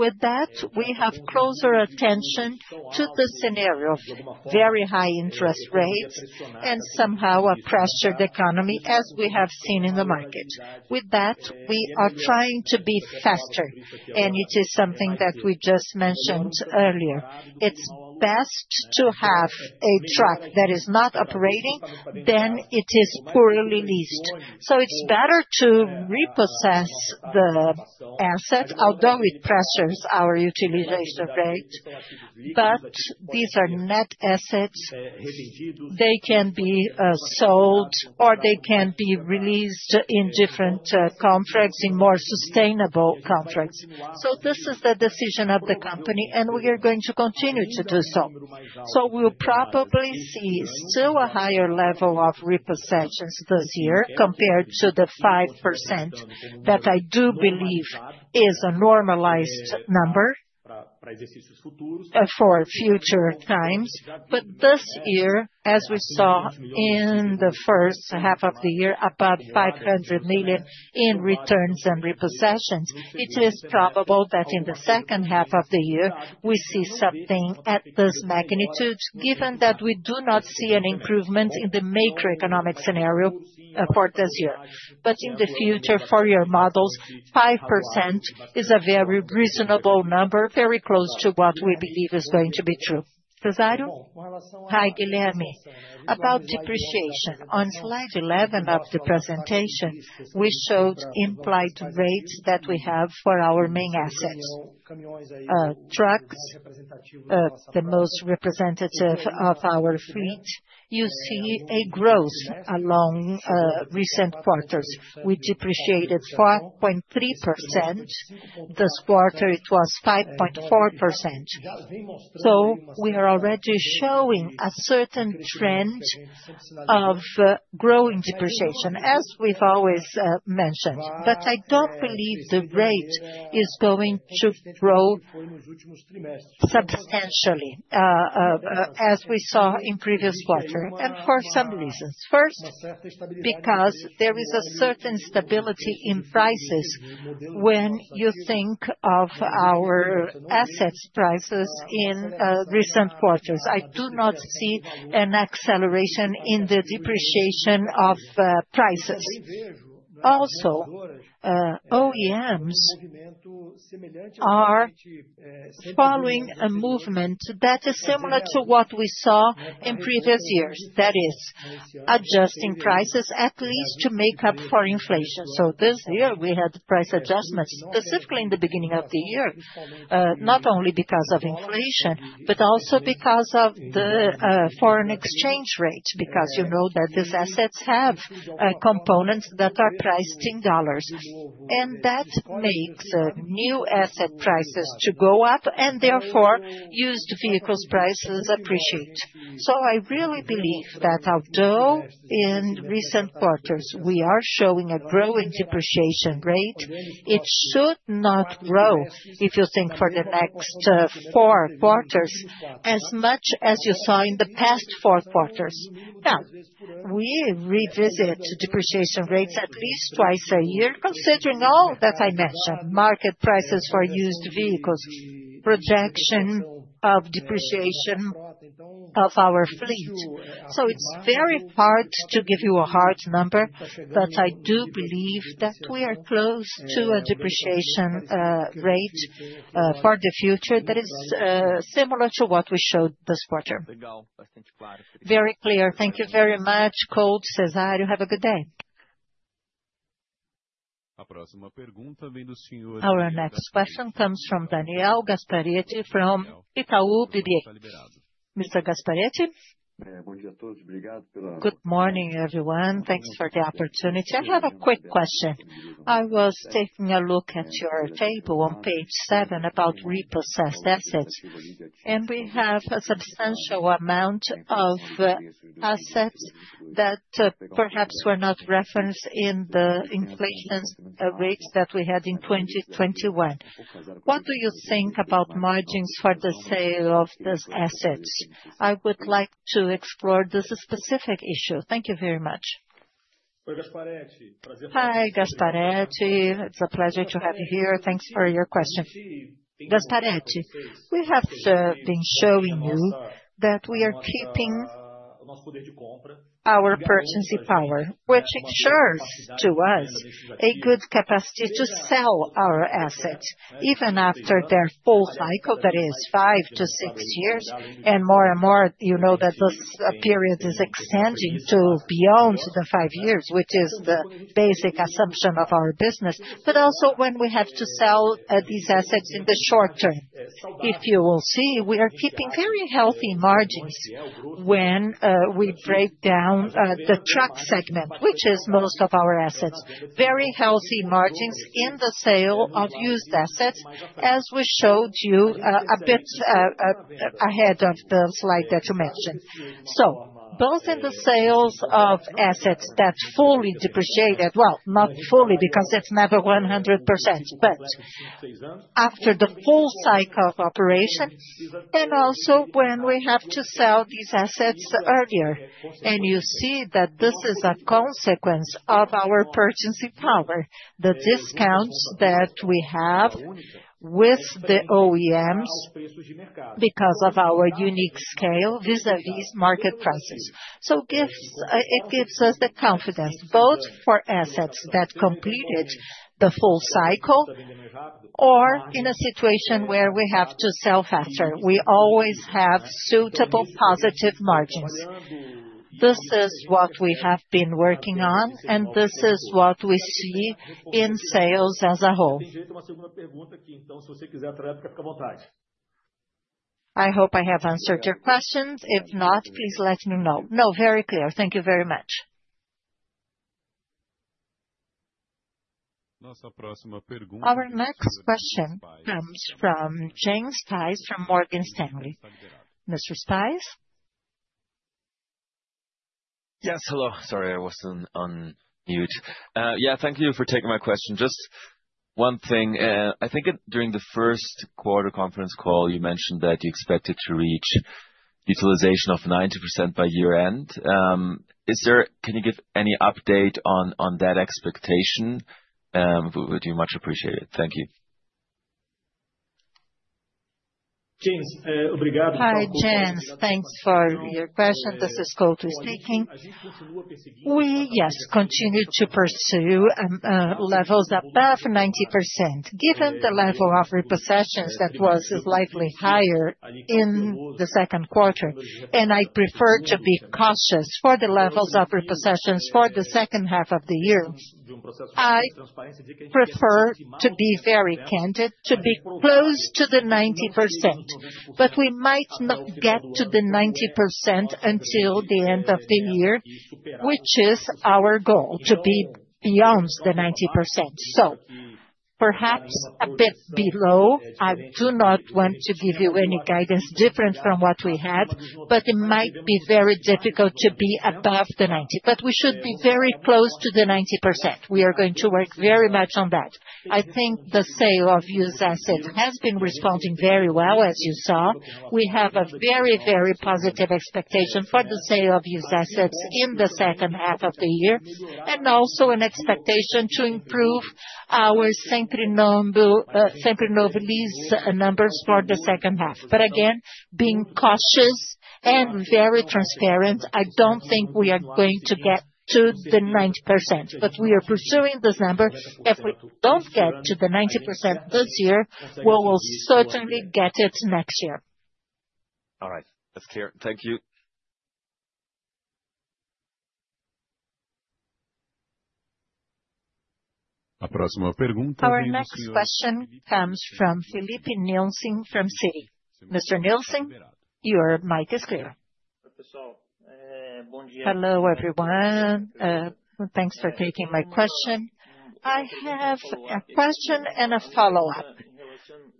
With that, we have closer attention to the scenario of very high interest rates and somehow a pressured economy, as we have seen in the market. We are trying to be faster, and it is something that we just mentioned earlier. It's best to have a truck that is not operating than it is poorly leased. It's better to repossess the asset, although it pressures our utilization rate. These are net assets. They can be sold or they can be released in different contracts, in more sustainable contracts. This is the decision of the company, and we are going to continue to do so. We'll probably see still a higher level of repossessions this year compared to the 5% that I do believe is a normalized number for future times. This year, as we saw in the first half of the year, about 500 million in returns and repossessions. It is probable that in the second half of the year, we see something at this magnitude, given that we do not see an improvement in the macroeconomic scenario for this year. In the future, for your models, 5% is a very reasonable number, very close to what we believe is going to be true. Cezário? Hi, Guilherme. About depreciation, on slide 11 of the presentation, we showed implied rates that we have for our main asset: trucks, the most representative of our fleet. You see a growth along recent quarters. We depreciated 4.3%. This quarter, it was 5.4%. We are already showing a certain trend of growing depreciation, as we've always mentioned. I don't believe the rate is going to grow substantially, as we saw in previous quarters, and for some reasons. First, because there is a certain stability in prices when you think of our assets prices in recent quarters. I do not see an acceleration in the depreciation of prices. Also, OEMs are following a movement that is similar to what we saw in previous years, that is, adjusting prices at least to make up for inflation. This year, we had price adjustments specifically in the beginning of the year, not only because of inflation, but also because of the foreign exchange rate, because you know that these assets have components that are priced in dollars. That makes new asset prices go up, and therefore, used vehicles prices appreciate. I really believe that although in recent quarters, we are showing a growing depreciation rate, it should not grow, if you think for the next four quarters, as much as you saw in the past four quarters. We revisit depreciation rates at least twice a year, considering all that I mentioned: market prices for used vehicles, projection of depreciation of our fleet. It's very hard to give you a hard number, but I do believe that we are close to a depreciation rate for the future that is similar to what we showed this quarter. Very clear. Thank you very much, Couto, Cezário. Have a good day. Our next question comes from Daniel Gasparetti from Itaú BBA. Mr. Gasparetti? Good morning, everyone. Thanks for the opportunity. I have a quick question. I was taking a look at your table on page seven about repossessed assets, and we have a substantial amount of assets that perhaps were not referenced in the inflation rates that we had in 2021. What do you think about margins for the sale of these assets? I would like to explore this specific issue. Thank you very much. Hi, Gasparetti. It's a pleasure to have you here. Thanks for your question. Gasparetti, we have been showing you that we are keeping our purchasing power, which ensures to us a good capacity to sell our assets even after their full cycle, that is, five to six years. More and more, you know that this period is extending to beyond the five years, which is the basic assumption of our business, but also when we have to sell these assets in the short term. If you will see, we are keeping very healthy margins when we break down the truck segment, which is most of our assets. Very healthy margins in the sale of used assets, as we showed you a bit ahead of the slide that you mentioned. Both in the sales of assets that fully depreciated, not fully because it's never 100%, but after the full cycle of operation, and also when we have to sell these assets earlier. You see that this is a consequence of our purchasing power, the discounts that we have with the OEMs because of our unique scale vis-à-vis market prices. It gives us the confidence, both for assets that completed the full cycle or in a situation where we have to sell faster. We always have suitable positive margins. This is what we have been working on, and this is what we see in sales as a whole. I hope I have answered your questions. If not, please let me know. No, very clear. Thank you very much. Our next question comes from [James Tice] from Morgan Stanley. Mr. [Tice]? Yes. Hello. Sorry, I wasn't on mute. Thank you for taking my question. Just one thing. I think during the first quarter conference call, you mentioned that you expected to reach utilization of 90% by year-end. Can you give any update on that expectation? We do much appreciate it. Thank you. Hi, [Jim]. Thanks for your question. This is Couto speaking. We, yes, continue to pursue levels above 90%, given the level of repossessions that was slightly higher in the second quarter. I prefer to be cautious for the levels of repossessions for the second half of the year. I prefer to be very candid, to be close to the 90%. We might not get to the 90% until the end of the year, which is our goal, to be beyond the 90%. Perhaps a bit below. I do not want to give you any guidance different from what we had, but it might be very difficult to be above the 90%. We should be very close to the 90%. We are going to work very much on that. I think the sale of used assets has been responding very well, as you saw. We have a very, very positive expectation for the sale of used assets in the second half of the year, and also an expectation to improve our Sempre Novo lease numbers for the second half. Again, being cautious and very transparent, I don't think we are going to get to the 90%. We are pursuing this number. If we don't get to the 90% this year, we will certainly get it next year. All right, thank you. Our next question comes from Filipe Nielsen from Citi. Mr. Nielsen, your mic is clear. Hello, everyone. Thanks for taking my question. I have a question and a follow-up.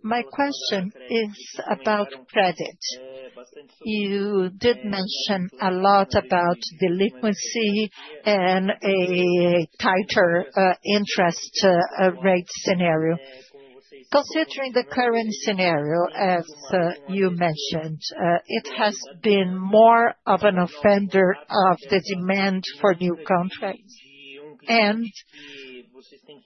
My question is about credit. You did mention a lot about delinquency and a tighter interest rate scenario. Considering the current scenario, as you mentioned, it has been more of an offender of the demand for new contracts and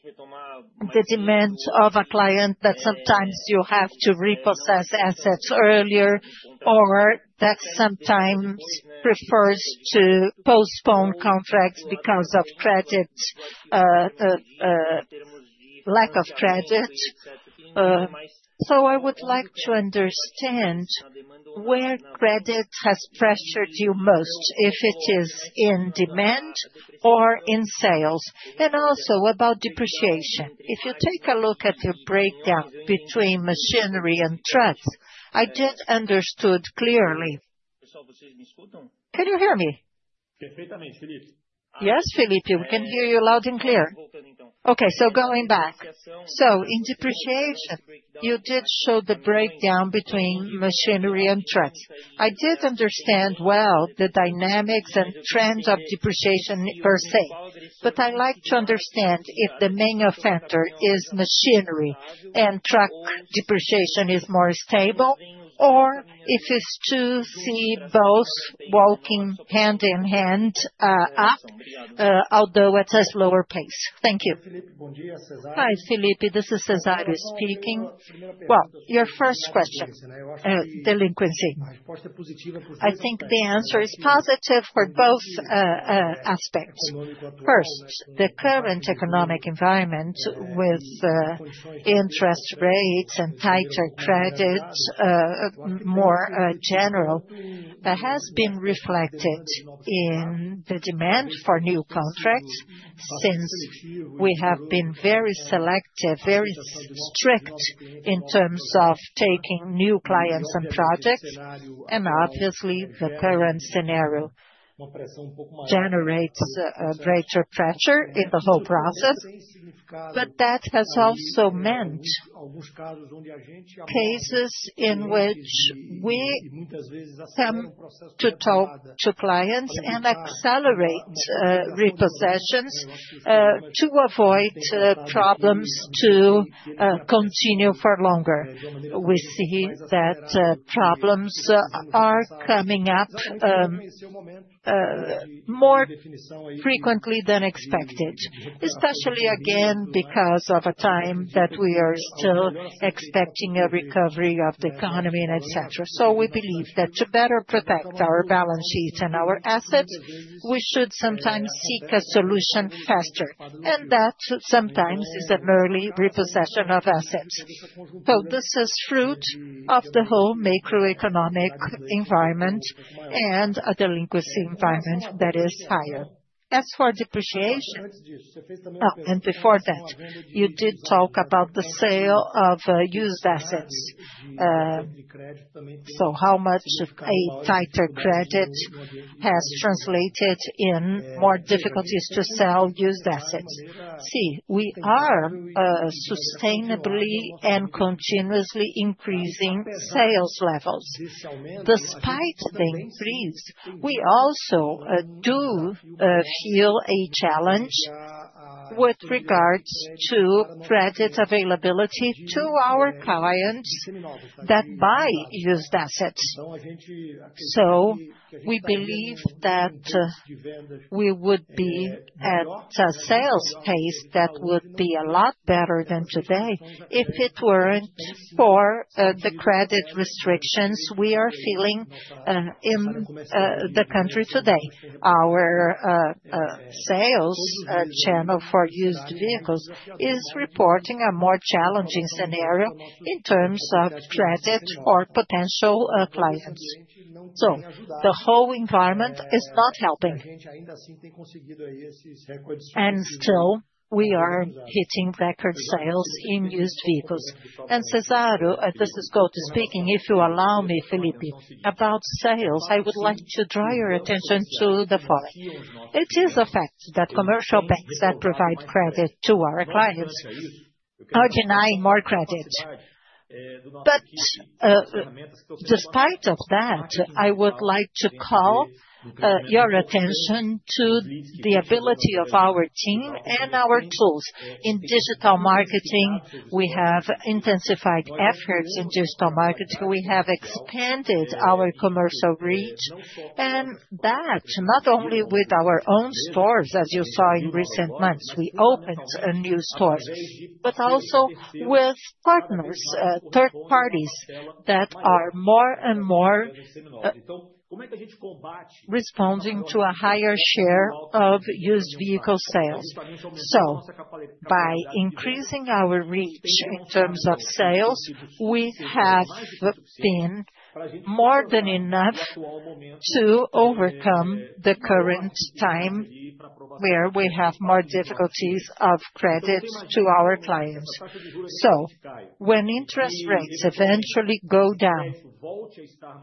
the demand of a client that sometimes you have to repossess assets earlier, or that sometimes prefers to postpone contracts because of credit, lack of credit. I would like to understand where credit has pressured you most, if it is in demand or in sales, and also about depreciation. If you take a look at the breakdown between machinery and trucks, I did understand clearly. Can you hear me? Yes, Filipe, we can hear you loud and clear. Okay, going back. In depreciation, you did show the breakdown between machinery and trucks. I did understand well the dynamics and trends of depreciation per se, but I would like to understand if the main offender is machinery and truck depreciation is more stable, or if it's to see both walking hand in hand up, although at a slower pace. Thank you. Hi, Filipe. This is Cezário speaking. Your first question, delinquency. I think the answer is positive for both aspects. First, the current economic environment with interest rates and tighter credit, more general, that has been reflected in the demand for new contracts. We have been very selective, very strict in terms of taking new clients and projects. Obviously, the current scenario generates a greater pressure in the whole process. That has also meant phases in which we set up to talk to clients and accelerate repossessions to avoid problems to continue for longer. We see that problems are coming up more frequently than expected, especially again because of a time that we are still expecting a recovery of the economy and etc. We believe that to better protect our balance sheets and our assets, we should sometimes seek a solution faster. That sometimes is an early repossession of assets. This is fruit of the whole macroeconomic environment and a delinquency environment that is higher. As for depreciation. Before that, you did talk about the sale of used assets. How much a tighter credit has translated in more difficulties to sell used assets? We are sustainably and continuously increasing sales levels. Despite the increase, we also do feel a challenge with regards to credit availability to our clients that buy used assets. We believe that we would be at a sales pace that would be a lot better than today if it weren't for the credit restrictions we are feeling in the country today. Our sales channel for used vehicles is reporting a more challenging scenario in terms of credit or potential clients. The whole environment is not helping. Still, we are hitting record sales in used vehicles. Cezário, this is Couto speaking. If you allow me, Filipe, about sales, I would like to draw your attention to the fourth. These effects that commercial banks that provide credit to our clients are denying more credit. Despite that, I would like to call your attention to the ability of our team and our tools in digital marketing. We have intensified efforts in digital marketing. We have expanded our commercial reach, and that not only with our own stores, as you saw in recent months, we opened a new store, but also with partners, third parties that are more and more responding to a higher share of used vehicle sales. By increasing our reach in terms of sales, we have been more than enough to overcome the current time where we have more difficulties of credits to our clients. When interest rates eventually go down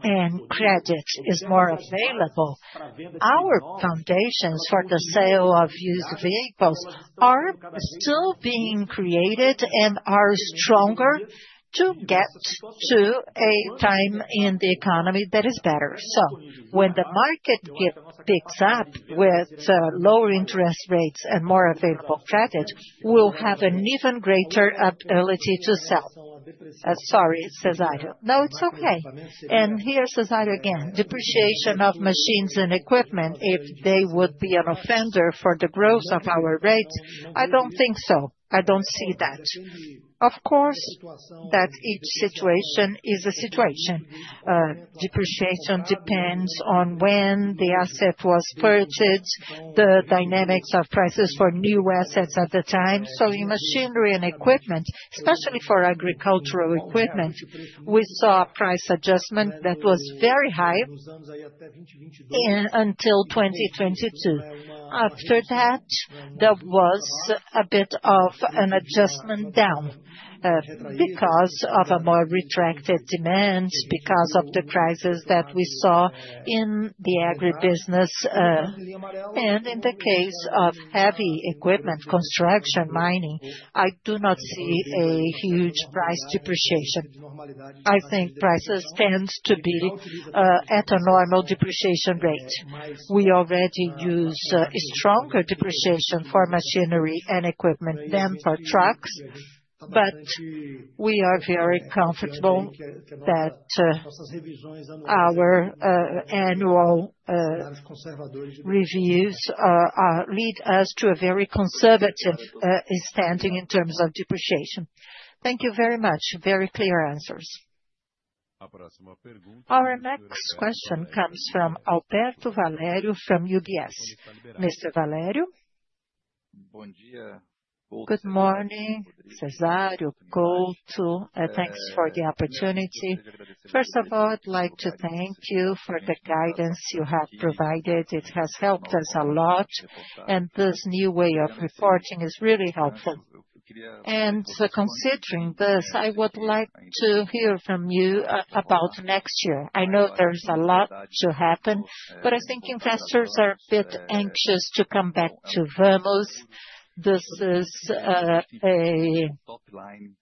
and credit is more available, our foundations for the sale of used vehicles are still being created and are stronger to get to a time in the economy that is better. When the market picks up with lower interest rates and more available credit, we'll have an even greater ability to sell. Sorry, Cezário. No, it's okay. Here's Cezário again, depreciation of machines and equipment, if they would be an offender for the growth of our rates, I don't think so. I don't see that. Of course, each situation is a situation. Depreciation depends on when the asset was purchased, the dynamics of prices for new assets at the time. In machinery and equipment, especially for agricultural equipment, we saw a price adjustment that was very high until 2022. After that, there was a bit of an adjustment down because of a more retracted demand, because of the crisis that we saw in the agribusiness. In the case of heavy equipment, construction, mining, I do not see a huge price depreciation. I think prices tend to be at a normal depreciation rate. We already use a stronger depreciation for machinery and equipment than for trucks, but we are very comfortable that our annual reviews lead us to a very conservative standing in terms of depreciation. Thank you very much. Very clear answers. Our next question comes from Alberto Valerio from UBS. Mr. Valerio? Good morning, Cezário, Couto. Thanks for the opportunity. First of all, I'd like to thank you for the guidance you have provided. It has helped us a lot, and this new way of reporting is really helpful. Considering this, I would like to hear from you about next year. I know there's a lot to happen, but I think investors are a bit anxious to come back to Vamos. This is a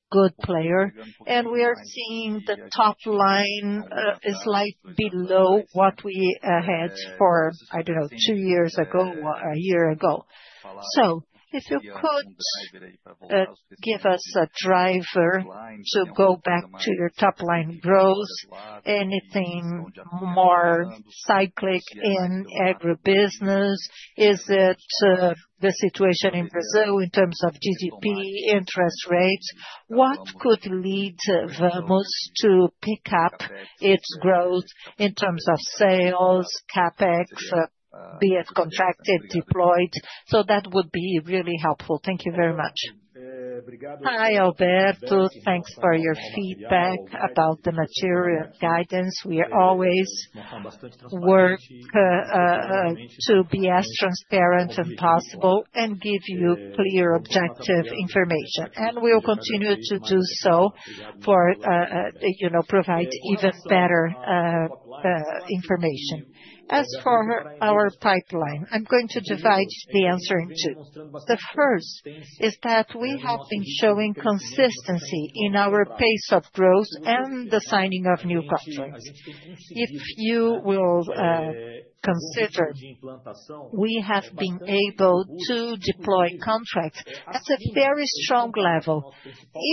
good player, and we are seeing the top line is like below what we had for, I don't know, two years ago or a year ago. If you could give us a driver to go back to your top line growth, anything more cyclic in agribusiness? Is it the situation in Brazil in terms of GDP, interest rates? What could lead Vamos to pick up its growth in terms of sales, CapEx, be it contracted, deployed? That would be really helpful. Thank you very much. Hi, Alberto. Thanks for your feedback about the material guidance. We always work to be as transparent as possible and give you clear, objective information. We'll continue to do so to provide even better information. As for our pipeline, I'm going to divide the answering too. The first is that we have been showing consistency in our pace of growth and the signing of new contracts. If you will consider, we have been able to deploy contracts at a very strong level.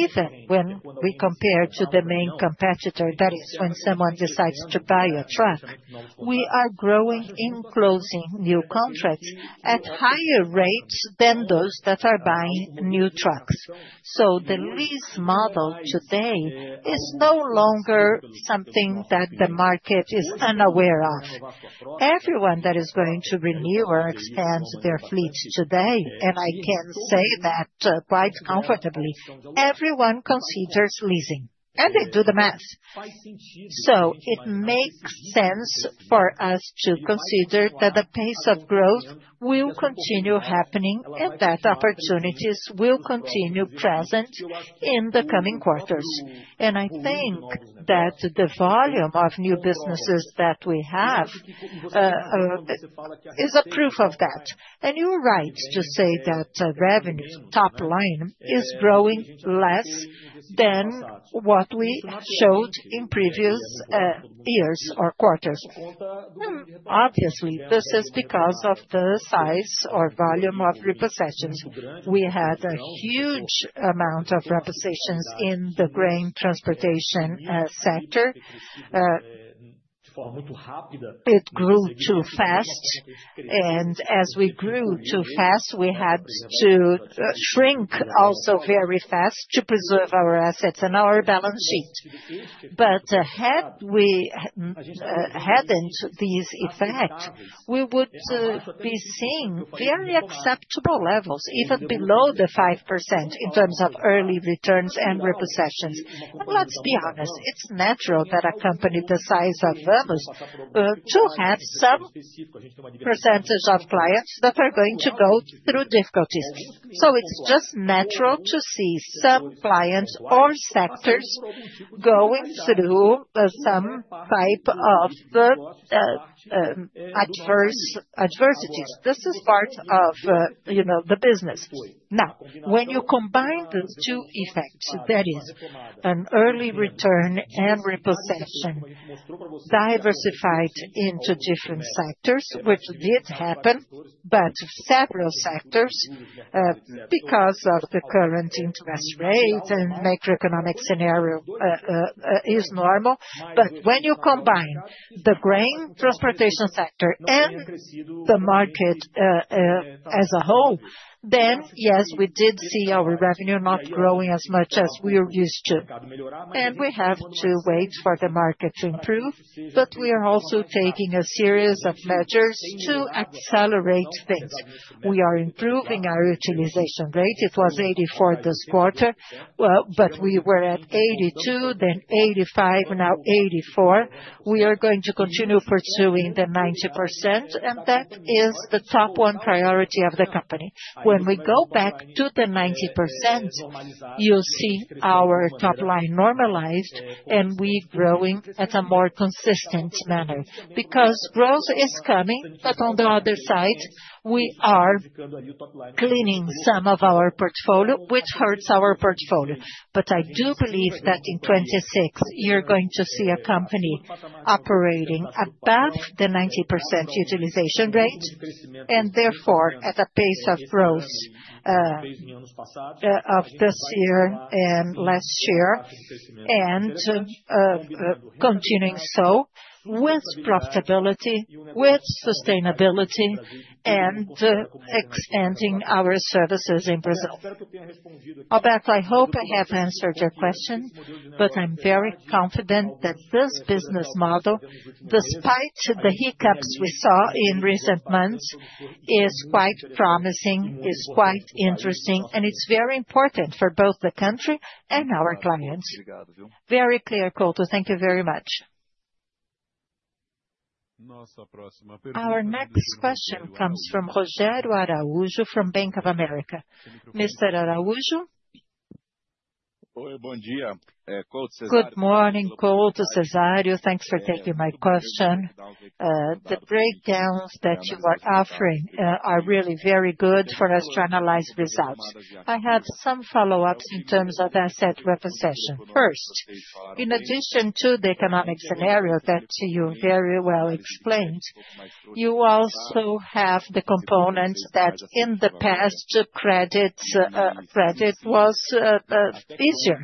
Even when we compare to the main competitor, that is when someone decides to buy a truck, we are growing in closing new contracts at higher rates than those that are buying new trucks. The leasing model today is no longer something that the market is unaware of. Everyone that is going to renew or expand their fleets today, and I can say that quite comfortably, everyone considers leasing, and they do the math. It makes sense for us to consider that the pace of growth will continue happening and that opportunities will continue present in the coming quarters. I think that the volume of new businesses that we have is a proof of that. You're right to say that revenue top line is growing less than what we showed in previous years or quarters. Obviously, this is because of the size or volume of repossessions. We had a huge amount of repossessions in the grain transportation sector. It grew too fast. As we grew too fast, we had to shrink also very fast to preserve our assets and our balance sheet. Had we hadn't these effects, we would be seeing very acceptable levels, even below the 5% in terms of early returns and repossessions. Let's be honest, it's natural that a company the size of Vamos to have some percentage of clients that are going to go through difficulties. It's just natural to see some clients or sectors going through some type of adversities. This is part of the business. Now, when you combine those two effects, that is an early return and repossession diversified into different sectors, which did happen, several sectors because of the current interest rate and macroeconomic scenario is normal. When you combine the grain transportation sector and the market as a whole, yes, we did see our revenue not growing as much as we are used to. We have to wait for the market to improve, but we are also taking a series of measures to accelerate things. We are improving our utilization rate. It was 84% this quarter. We were at 82%, then 85%, now 84%. We are going to continue pursuing the 90%, and that is the top one priority of the company. When we go back to the 90%, you'll see our top line normalized and we're growing in a more consistent manner because growth is coming, but on the other side, we are cleaning some of our portfolio, which hurts our portfolio. I do believe that in 2026, you're going to see a company operating above the 90% utilization rate, and therefore, at a pace of growth of this year and last year, and continuing so with profitability, with sustainability, and expanding our services in Brazil. Alberto, I hope I have answered your question, but I'm very confident that this business model, despite the hiccups we saw in recent months, is quite promising, is quite interesting, and it's very important for both the country and our clients. Very clear, Couto. Thank you very much. Our next question comes from Rogério Araújo from Bank of America. Mr. Araújo? Good morning, Couto, Cezário. Thanks for taking my question. The breakdowns that you were offering are really very good for us to analyze results. I have some follow-ups in terms of asset repossession. First, in addition to the economic scenario that you very well explained, you also have the component that in the past credit was easier,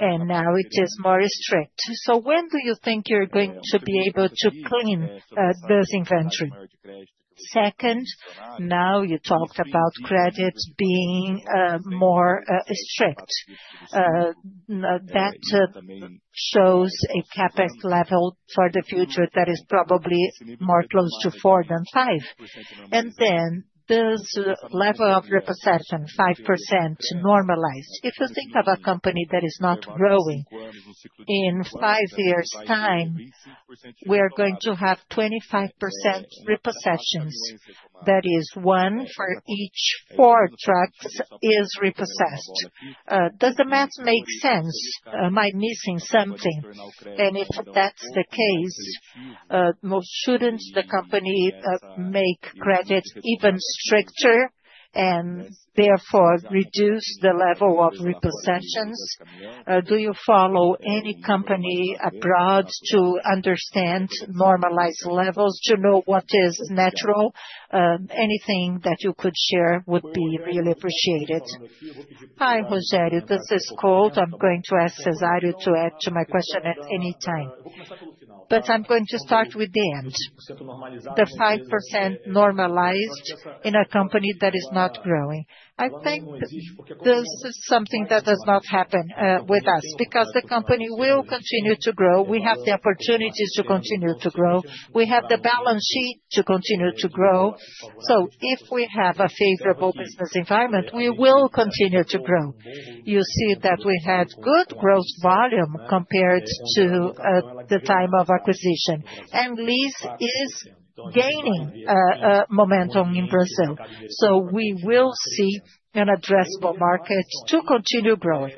and now it is more strict. When do you think you're going to be able to put in this inventory? Second, now you talked about credits being more strict. That shows a CapEx level for the future that is probably more close to 4 than 5. This level of repossession, 5% normalized. If you think of a company that is not growing, in five years' time, we are going to have 25% repossessions. That is one for each four trucks is repossessed. Does the math make sense? Am I missing something? If that's the case, shouldn't the company make credits even stricter and therefore reduce the level of repossessions? Do you follow any company abroad to understand normalized levels, to know what is natural? Anything that you could share would be really appreciated. Hi, Rogério. This is Couto. I'm going to ask Cezário to add to my question at any time. I'm going to start with the end. The 5% normalized in a company that is not growing. I think this is something that does not happen with us because the company will continue to grow. We have the opportunities to continue to grow. We have the balance sheet to continue to grow. If we have a favorable business environment, we will continue to grow. You see that we had good growth volume compared to the time of acquisition. Lease is gaining momentum in Brazil. We will see an addressable market to continue growing.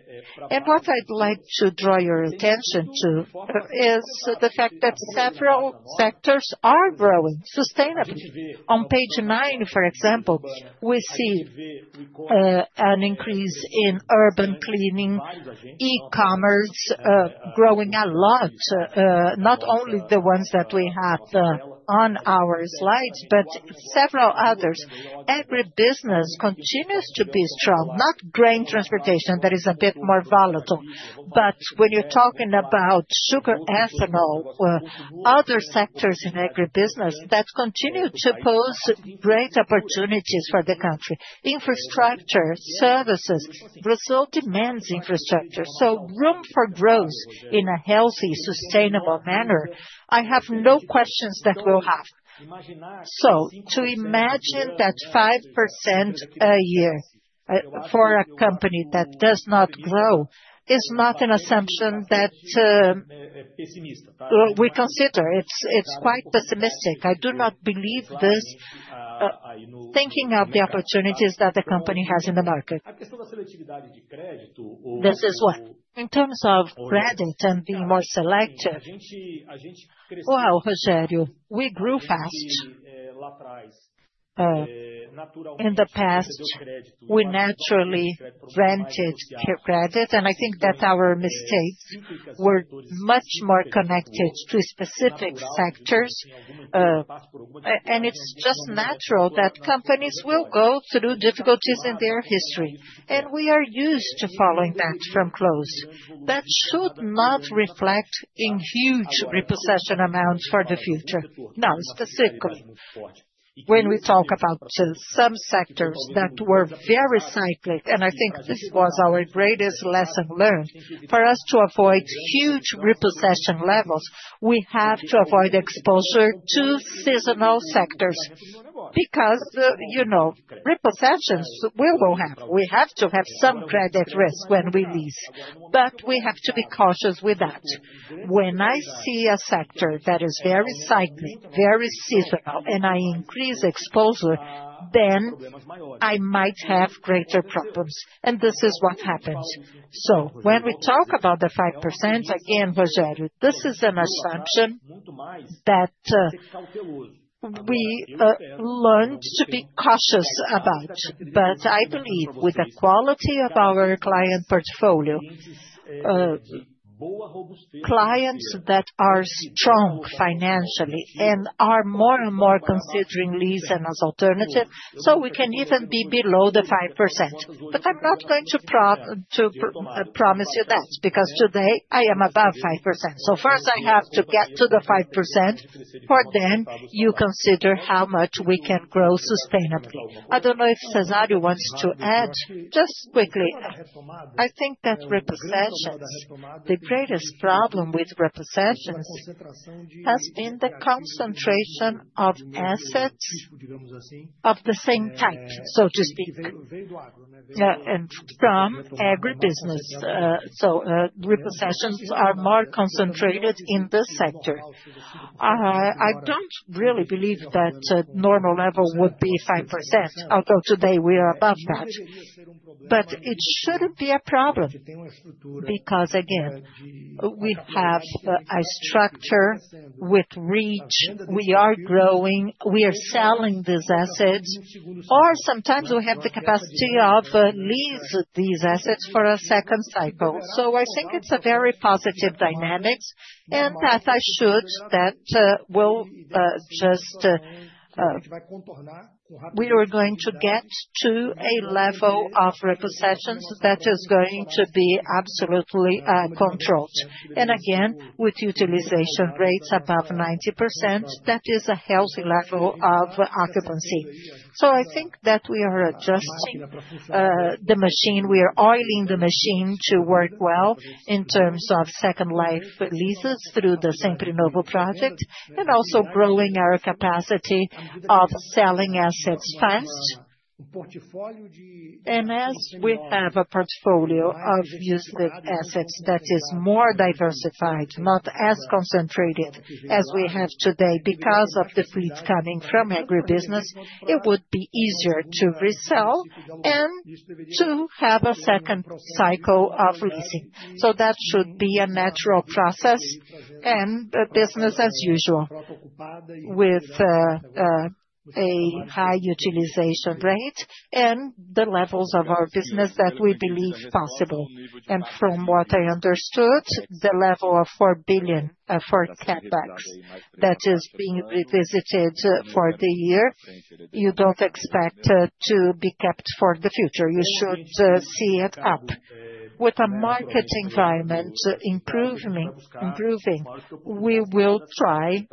What I'd like to draw your attention to is the fact that several sectors are growing sustainably. On page 9, for example, we see an increase in urban cleaning, e-commerce growing a lot. Not only the ones that we have on our slides, but several others. Agribusiness continues to be strong, not grain transportation. That is a bit more volatile. When you're talking about sugar ethanol, other sectors in agribusiness that continue to pose great opportunities for the country. Infrastructure, services, Brazil demands infrastructure. Room for growth in a healthy, sustainable manner. I have no questions that we'll have. To imagine that 5% a year for a company that does not grow is not an assumption that we consider. It's quite pessimistic. I do not believe this, thinking of the opportunities that the company has in the market. This is what? In terms of credit and being more selective. Rogério, we grew fast. In the past, we naturally rented credit. I think that our mistakes were much more connected to specific factors. It's just natural that companies will go through difficulties in their history. We are used to following that from close. That should not reflect in huge repossession amounts for the future. Now, specifically, when we talk about some sectors that were very cyclic, I think this was our greatest lesson learned. For us to avoid huge repossession levels, we have to avoid exposure to seasonal sectors. You know repossessions will happen. We have to have some credit risk when we lease, but we have to be cautious with that. When I see a sector that is very cyclic, very seasonal, and I increase exposure, then I might have greater problems. This is what happens. When we talk about the 5%, again, Rogério, this is an assumption that we learned to be cautious about. I believe with the quality of our client portfolio, clients that are strong financially and are more and more considering lease as an alternative, we can even be below the 5%. I'm not going to promise you that because today I am above 5%. First, I have to get to the 5% for then you consider how much we can grow sustainably. I don't know if Cezário wants to add. Just quickly, I think that repossessions, the greatest problem with repossessions, has been the concentration of assets of the same type, so to speak, and from agribusiness. Repossessions are more concentrated in this sector. I don't really believe that a normal level would be 5%. Although today we are above that, it shouldn't be a problem. Again, we have a structure with reach. We are growing. We are selling these assets. Sometimes we have the capacity to lease these assets for a second cycle. I think it's a very positive dynamic. I should, that we'll just, we are going to get to a level of repossessions that is going to be absolutely uncontrolled. Again, with utilization rates above 90%, that is a healthy level of occupancy. I think that we are adjusting the machine. We are oiling the machine to work well in terms of second life leases through the Sempre Novo Project and also growing our capacity of selling assets fast. As we have a portfolio of usable assets that is more diversified, not as concentrated as we have today because of the fleets coming from agribusiness, it would be easier to resell and to have a second cycle of leasing. That should be a natural process and the business as usual with a high utilization rate and the levels of our business that we believe possible. From what I understood, the level of 4 billion for CapEx that is being revisited for the year, you don't expect to be kept for the future. You should see it up. With a market environment improving, we will try,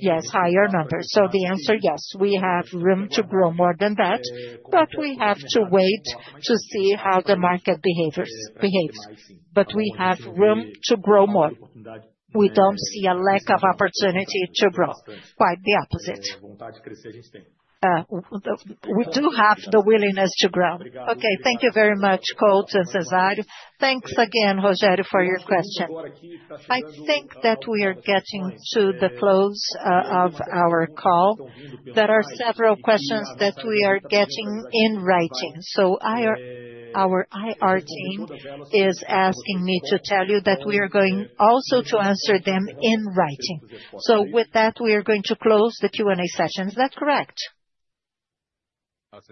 yes, higher numbers. The answer, yes, we have room to grow more than that, but we have to wait to see how the market behaves. We have room to grow more. We don't see a lack of opportunity to grow. Quite the opposite. We do have the willingness to grow. Thank you very much, Couto and Cezário. Thanks again, Rogério, for your question. I think that we are getting to the close of our call. There are several questions that we are getting in writing. Our IR team is asking me to tell you that we are going also to answer them in writing. With that, we are going to close the Q&A session. Is that correct? The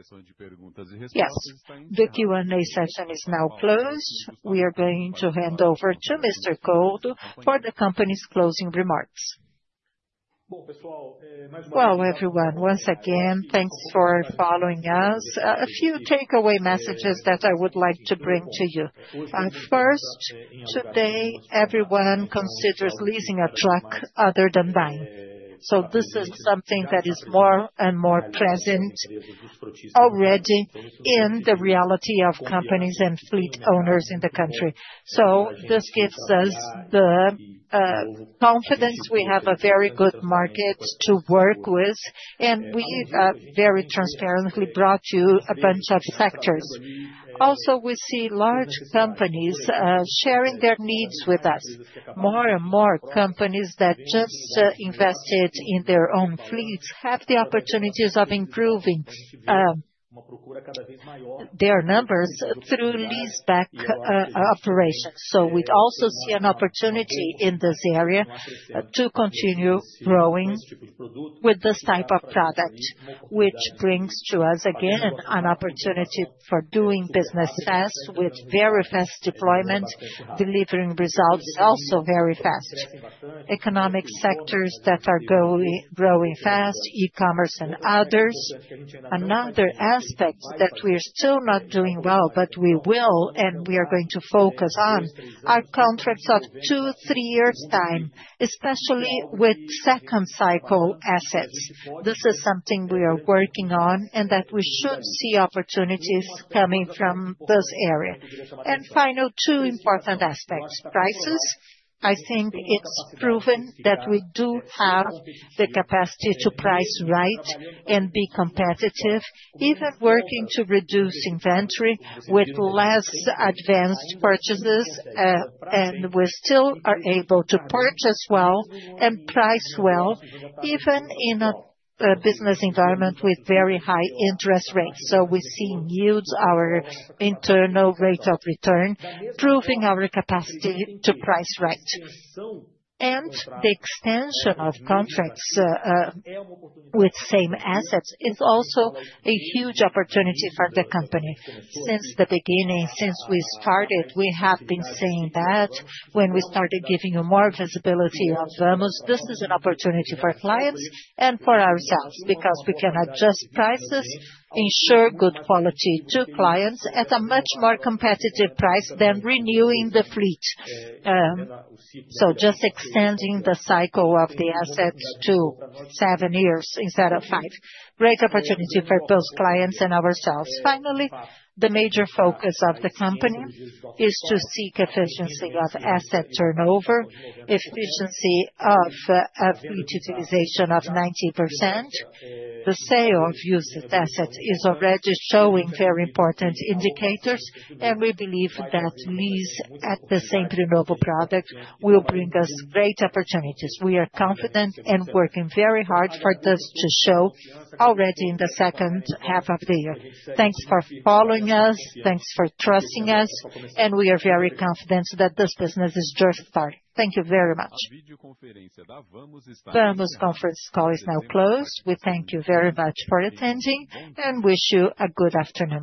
Q&A session is now closed. We are going to hand over to Mr. Couto for the company's closing remarks. Everyone, once again, thanks for following us. A few takeaway messages that I would like to bring to you. First, today, everyone considers leasing a truck other than buying. This is something that is more and more present already in the reality of companies and fleet owners in the country. This gives us the confidence we have a very good market to work with. We have very transparently brought to you a bunch of sectors. Also, we see large companies sharing their needs with us. More and more companies that just invested in their own fleets have the opportunities of improving their numbers through leaseback operations. We'd also see an opportunity in this area to continue growing with this type of product, which brings to us, again, an opportunity for doing business fast with very fast deployment, delivering results also very fast. Economic sectors that are growing fast, e-commerce and others. Another aspect that we are still not doing well, but we will, and we are going to focus on, are contracts of two, three years' time, especially with second cycle assets. This is something we are working on and that we should see opportunities coming from this area. Two important aspects. Prices. I think it's proven that we do have the capacity to price right and be competitive, even working to reduce inventory with less advanced purchases. We still are able to purchase well and price well, even in a business environment with very high interest rates. We see yields, our internal rate of return, proving our capacity to price right. The extension of contracts with same assets is also a huge opportunity for the company. Since the beginning, since we started, we have been saying that when we started giving you more visibility of Vamos, this is an opportunity for clients and for ourselves because we can adjust prices, ensure good quality to clients at a much more competitive price than renewing the fleet. Just extending the cycle of the assets to seven years instead of five is a great opportunity for both clients and ourselves. Finally, the major focus of the company is to seek efficiency of asset turnover, efficiency of fleet utilization of 90%. The sale of used assets is already showing very important indicators. We believe that lease at the Sempre Novo Project will bring us great opportunities. We are confident and working very hard for this to show already in the second half of the year. Thanks for following us. Thanks for trusting us. We are very confident that this business is just starting. Thank you very much. Vamos Conference call is now closed. We thank you very much for attending and wish you a good afternoon.